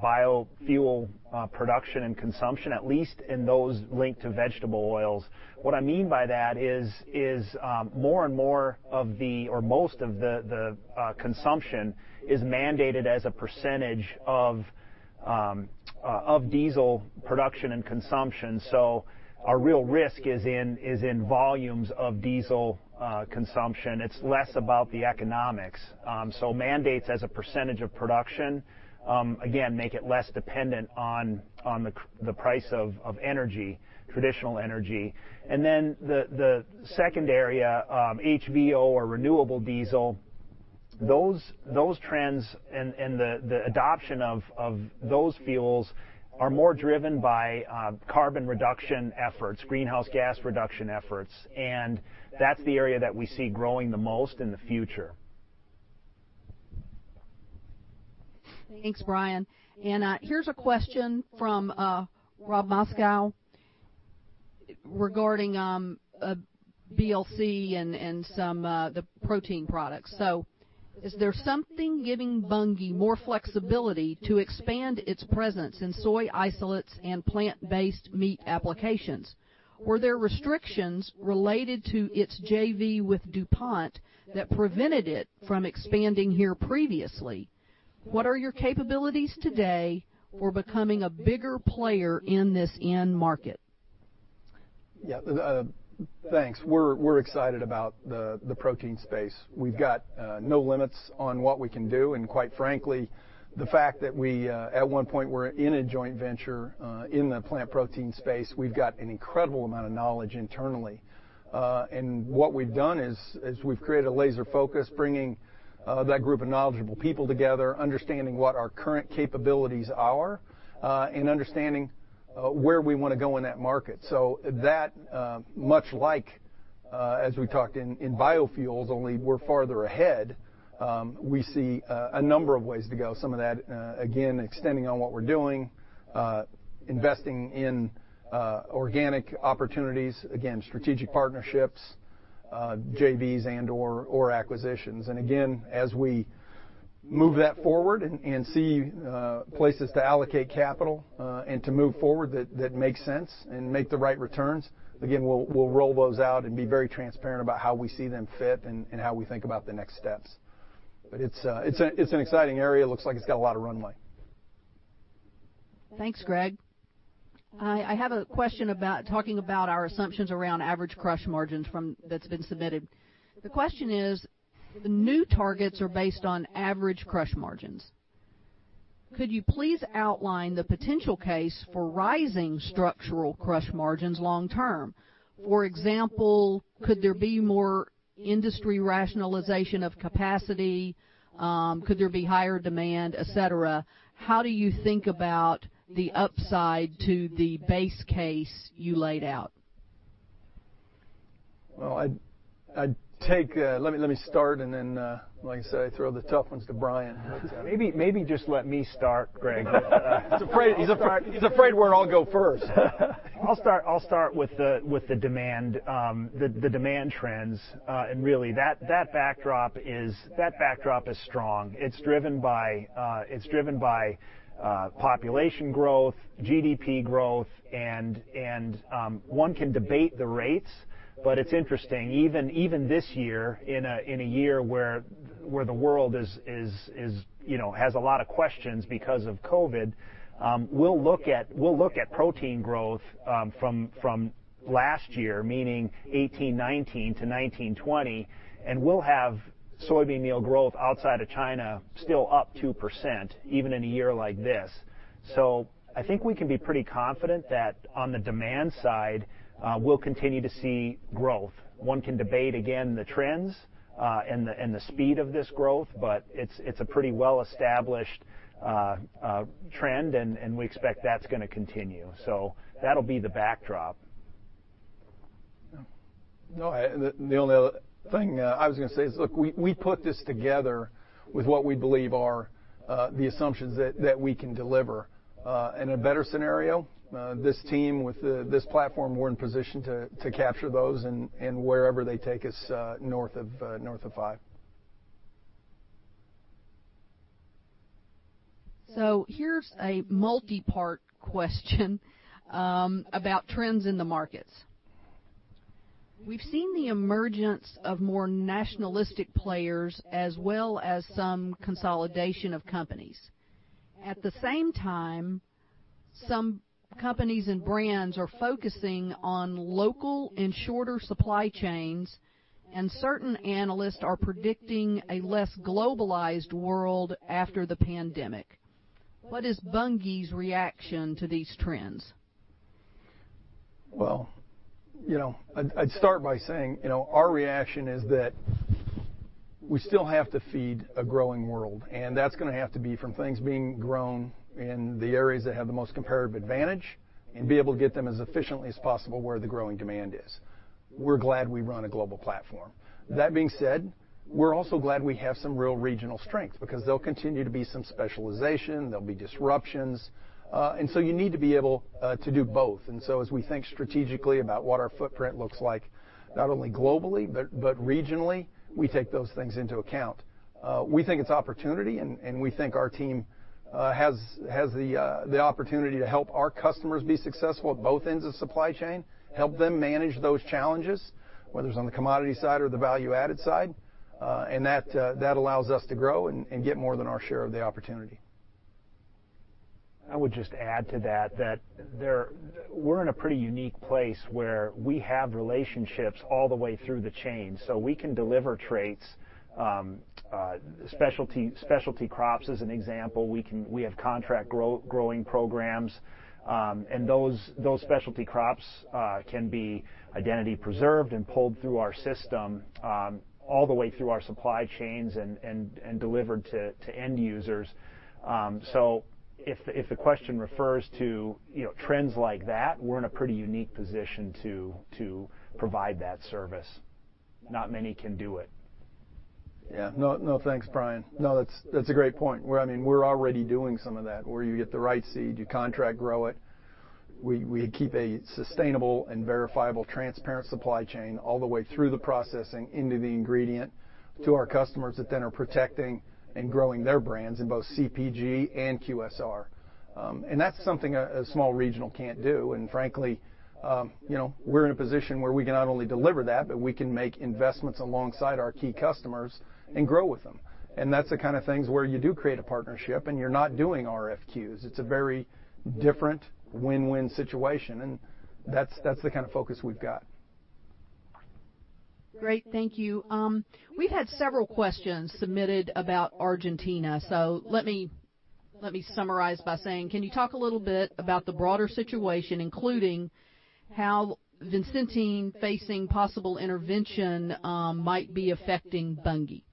biofuel production and consumption, at least in those linked to vegetable oils. What I mean by that is most of the consumption is mandated as a percentage of diesel production and consumption. Our real risk is in volumes of diesel consumption. It's less about the economics. Mandates as a percentage of production, again, make it less dependent on the price of energy, traditional energy. The second area, HVO or renewable diesel. Those trends and the adoption of those fuels are more driven by carbon reduction efforts, greenhouse gas reduction efforts, that's the area that we see growing the most in the future. Thanks, Brian. Here's a question from Rob Moskow regarding BLC and the protein products. Is there something giving Bunge more flexibility to expand its presence in soy isolates and plant-based meat applications? Were there restrictions related to its JV with DuPont that prevented it from expanding here previously? What are your capabilities today for becoming a bigger player in this end market? Yeah. Thanks. We're excited about the protein space. We've got no limits on what we can do, and quite frankly, the fact that we, at one point, were in a joint venture in the plant protein space, we've got an incredible amount of knowledge internally. What we've done is we've created a laser focus, bringing that group of knowledgeable people together, understanding what our current capabilities are, and understanding where we want to go in that market. That, much like as we talked in biofuels, only we're farther ahead, we see a number of ways to go. Some of that, again, extending on what we're doing, investing in organic opportunities, again, strategic partnerships, JVs and/or acquisitions. Again, as we move that forward and see places to allocate capital and to move forward that makes sense and make the right returns, again, we'll roll those out and be very transparent about how we see them fit and how we think about the next steps. It's an exciting area. It looks like it's got a lot of runway. Thanks, Greg. I have a question talking about our assumptions around average crush margins that's been submitted. The question is: The new targets are based on average crush margins. Could you please outline the potential case for rising structural crush margins long term? For example, could there be more industry rationalization of capacity? Could there be higher demand, et cetera? How do you think about the upside to the base case you laid out? Well, let me start, and then, like I said, I throw the tough ones to Brian. Maybe just let me start, Greg. He's afraid where I'll go first. I'll start with the demand trends, and really, that backdrop is strong. It's driven by population growth, GDP growth, and one can debate the rates, but it's interesting. Even this year, in a year where the world has a lot of questions because of COVID-19, we'll look at protein growth from last year, meaning 2018-2019 to 2019-2020, and we'll have soybean meal growth outside of China still up 2%, even in a year like this. I think we can be pretty confident that on the demand side, we'll continue to see growth. One can debate, again, the trends and the speed of this growth, but it's a pretty well-established trend, and we expect that's going to continue. That'll be the backdrop. The only other thing I was going to say is, look, we put this together with what we believe are the assumptions that we can deliver. In a better scenario, this team with this platform, we're in position to capture those and wherever they take us north of five. Here's a multi-part question about trends in the markets. We've seen the emergence of more nationalistic players as well as some consolidation of companies. At the same time, some companies and brands are focusing on local and shorter supply chains, and certain analysts are predicting a less globalized world after the pandemic. What is Bunge's reaction to these trends? Well, I'd start by saying our reaction is that we still have to feed a growing world, and that's going to have to be from things being grown in the areas that have the most comparative advantage and be able to get them as efficiently as possible where the growing demand is. We're glad we run a global platform. That being said, we're also glad we have some real regional strength because there'll continue to be some specialization, there'll be disruptions, and so you need to be able to do both. As we think strategically about what our footprint looks like, not only globally but regionally, we take those things into account. We think it's opportunity, and we think our team has the opportunity to help our customers be successful at both ends of supply chain, help them manage those challenges, whether it's on the commodity side or the value-added side, and that allows us to grow and get more than our share of the opportunity. I would just add to that we're in a pretty unique place where we have relationships all the way through the chain. We can deliver traits, specialty crops as an example. We have contract growing programs. Those specialty crops can be identity preserved and pulled through our system all the way through our supply chains and delivered to end users. If the question refers to trends like that, we're in a pretty unique position to provide that service. Not many can do it. Yeah. No thanks, Brian. No, that's a great point. We're already doing some of that, where you get the right seed, you contract grow it. We keep a sustainable and verifiable transparent supply chain all the way through the processing into the ingredient to our customers that then are protecting and growing their brands in both CPG and QSR. That's something a small regional can't do. Frankly, we're in a position where we can not only deliver that, but we can make investments alongside our key customers and grow with them. That's the kind of things where you do create a partnership and you're not doing RFQs. It's a very different win-win situation, and that's the kind of focus we've got. Great. Thank you. We've had several questions submitted about Argentina. Let me summarize by saying, can you talk a little bit about the broader situation, including how Vicentin facing possible intervention might be affecting Bunge?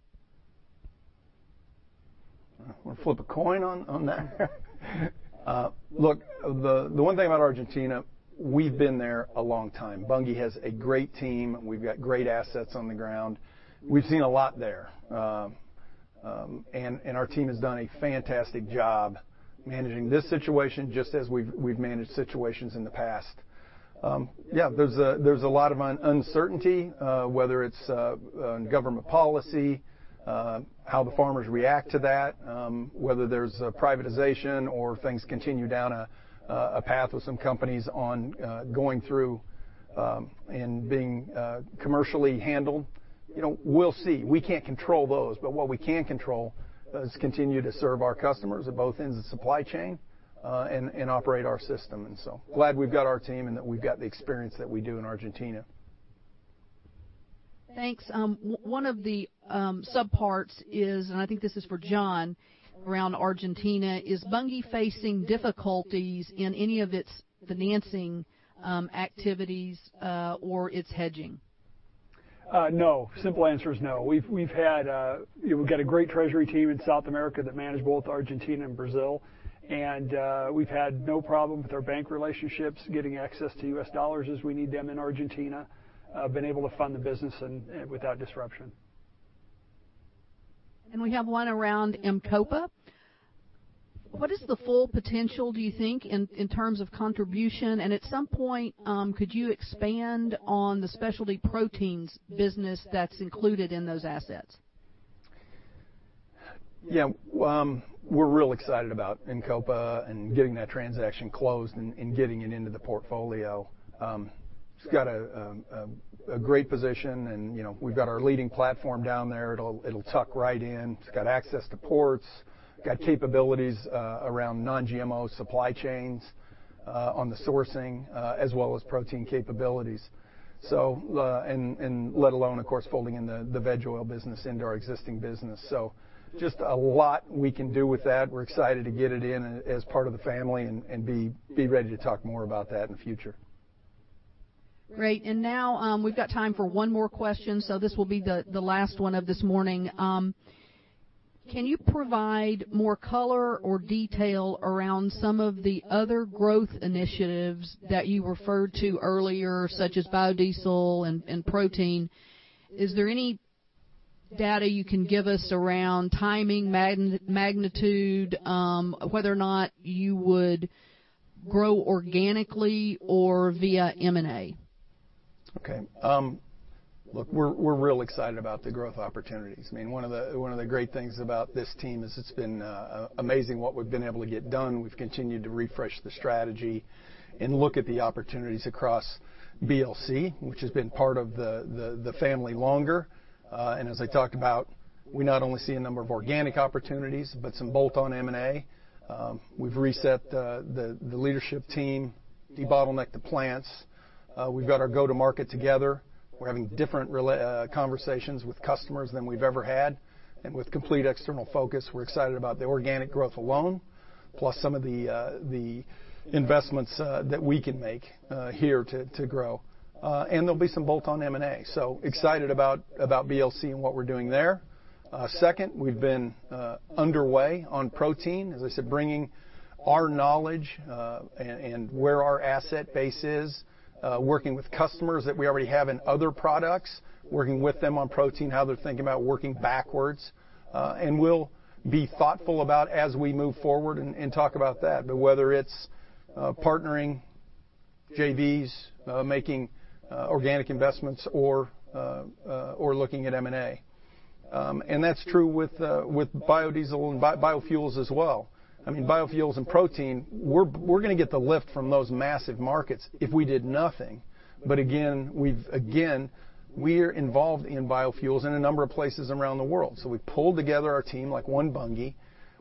Want to flip a coin on that? Look, the one thing about Argentina, we've been there a long time. Bunge has a great team. We've got great assets on the ground. We've seen a lot there. Our team has done a fantastic job managing this situation just as we've managed situations in the past. Yeah, there's a lot of uncertainty, whether it's government policy, how the farmers react to that, whether there's privatization or things continue down a path with some companies on going through and being commercially handled. We'll see. We can't control those. What we can control is continue to serve our customers at both ends of supply chain, and operate our system. Glad we've got our team and that we've got the experience that we do in Argentina. Thanks. One of the subparts is, I think this is for John around Argentina, is Bunge facing difficulties in any of its financing activities, or its hedging? No. Simple answer is no. We've got a great treasury team in South America that manage both Argentina and Brazil, and we've had no problem with our bank relationships getting access to U.S. dollars as we need them in Argentina. Been able to fund the business without disruption. We have one around Imcopa. What is the full potential, do you think, in terms of contribution? At some point, could you expand on the specialty proteins business that's included in those assets? Yeah. We're real excited about Imcopa and getting that transaction closed and getting it into the portfolio. It's got a great position and we've got our leading platform down there. It'll tuck right in. It's got access to ports, got capabilities around non-GMO supply chains, on the sourcing, as well as protein capabilities. Let alone, of course, folding in the veg oil business into our existing business. Just a lot we can do with that. We're excited to get it in as part of the family and be ready to talk more about that in the future. Great. Now, we've got time for one more question, so this will be the last one of this morning. Can you provide more color or detail around some of the other growth initiatives that you referred to earlier, such as biodiesel and protein? Is there any data you can give us around timing, magnitude? Whether or not you would grow organically or via M&A? Okay. Look, we're real excited about the growth opportunities. One of the great things about this team is it's been amazing what we've been able to get done. We've continued to refresh the strategy and look at the opportunities across BLC, which has been part of the family longer. As I talked about, we not only see a number of organic opportunities, but some bolt-on M&A. We've reset the leadership team, debottlenecked the plants. We've got our go-to-market together. We're having different conversations with customers than we've ever had, and with complete external focus. We're excited about the organic growth alone, plus some of the investments that we can make here to grow. There'll be some bolt-on M&A. Excited about BLC and what we're doing there. Second we've been underway on protein, as I said, bringing our knowledge, and where our asset base is, working with customers that we already have in other products, working with them on protein, how they're thinking about working backwards. We'll be thoughtful about as we move forward and talk about that. Whether it's partnering JVs, making organic investments, or looking at M&A. That's true with biodiesel and biofuels as well. Biofuels and protein, we're going to get the lift from those massive markets if we did nothing. Again, we're involved in biofuels in a number of places around the world. We pulled together our team, like one Bunge,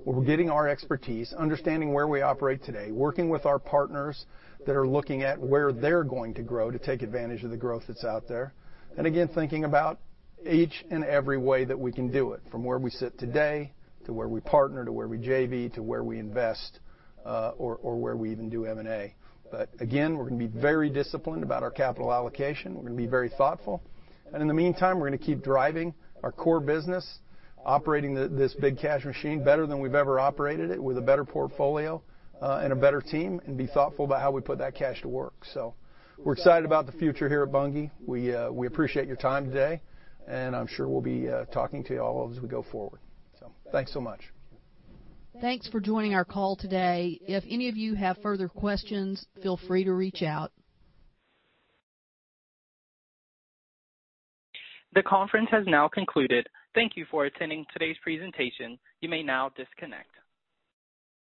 where we're getting our expertise, understanding where we operate today, working with our partners that are looking at where they're going to grow to take advantage of the growth that's out there. Again, thinking about each and every way that we can do it, from where we sit today to where we partner, to where we JV, to where we invest, or where we even do M&A. Again, we're going to be very disciplined about our capital allocation. We're going to be very thoughtful. In the meantime, we're going to keep driving our core business, operating this big cash machine better than we've ever operated it with a better portfolio, and a better team, and be thoughtful about how we put that cash to work. We're excited about the future here at Bunge. We appreciate your time today, and I'm sure we'll be talking to you all as we go forward. Thanks so much. Thanks for joining our call today. If any of you have further questions, feel free to reach out. The conference has now concluded. Thank you for attending today's presentation. You may now disconnect.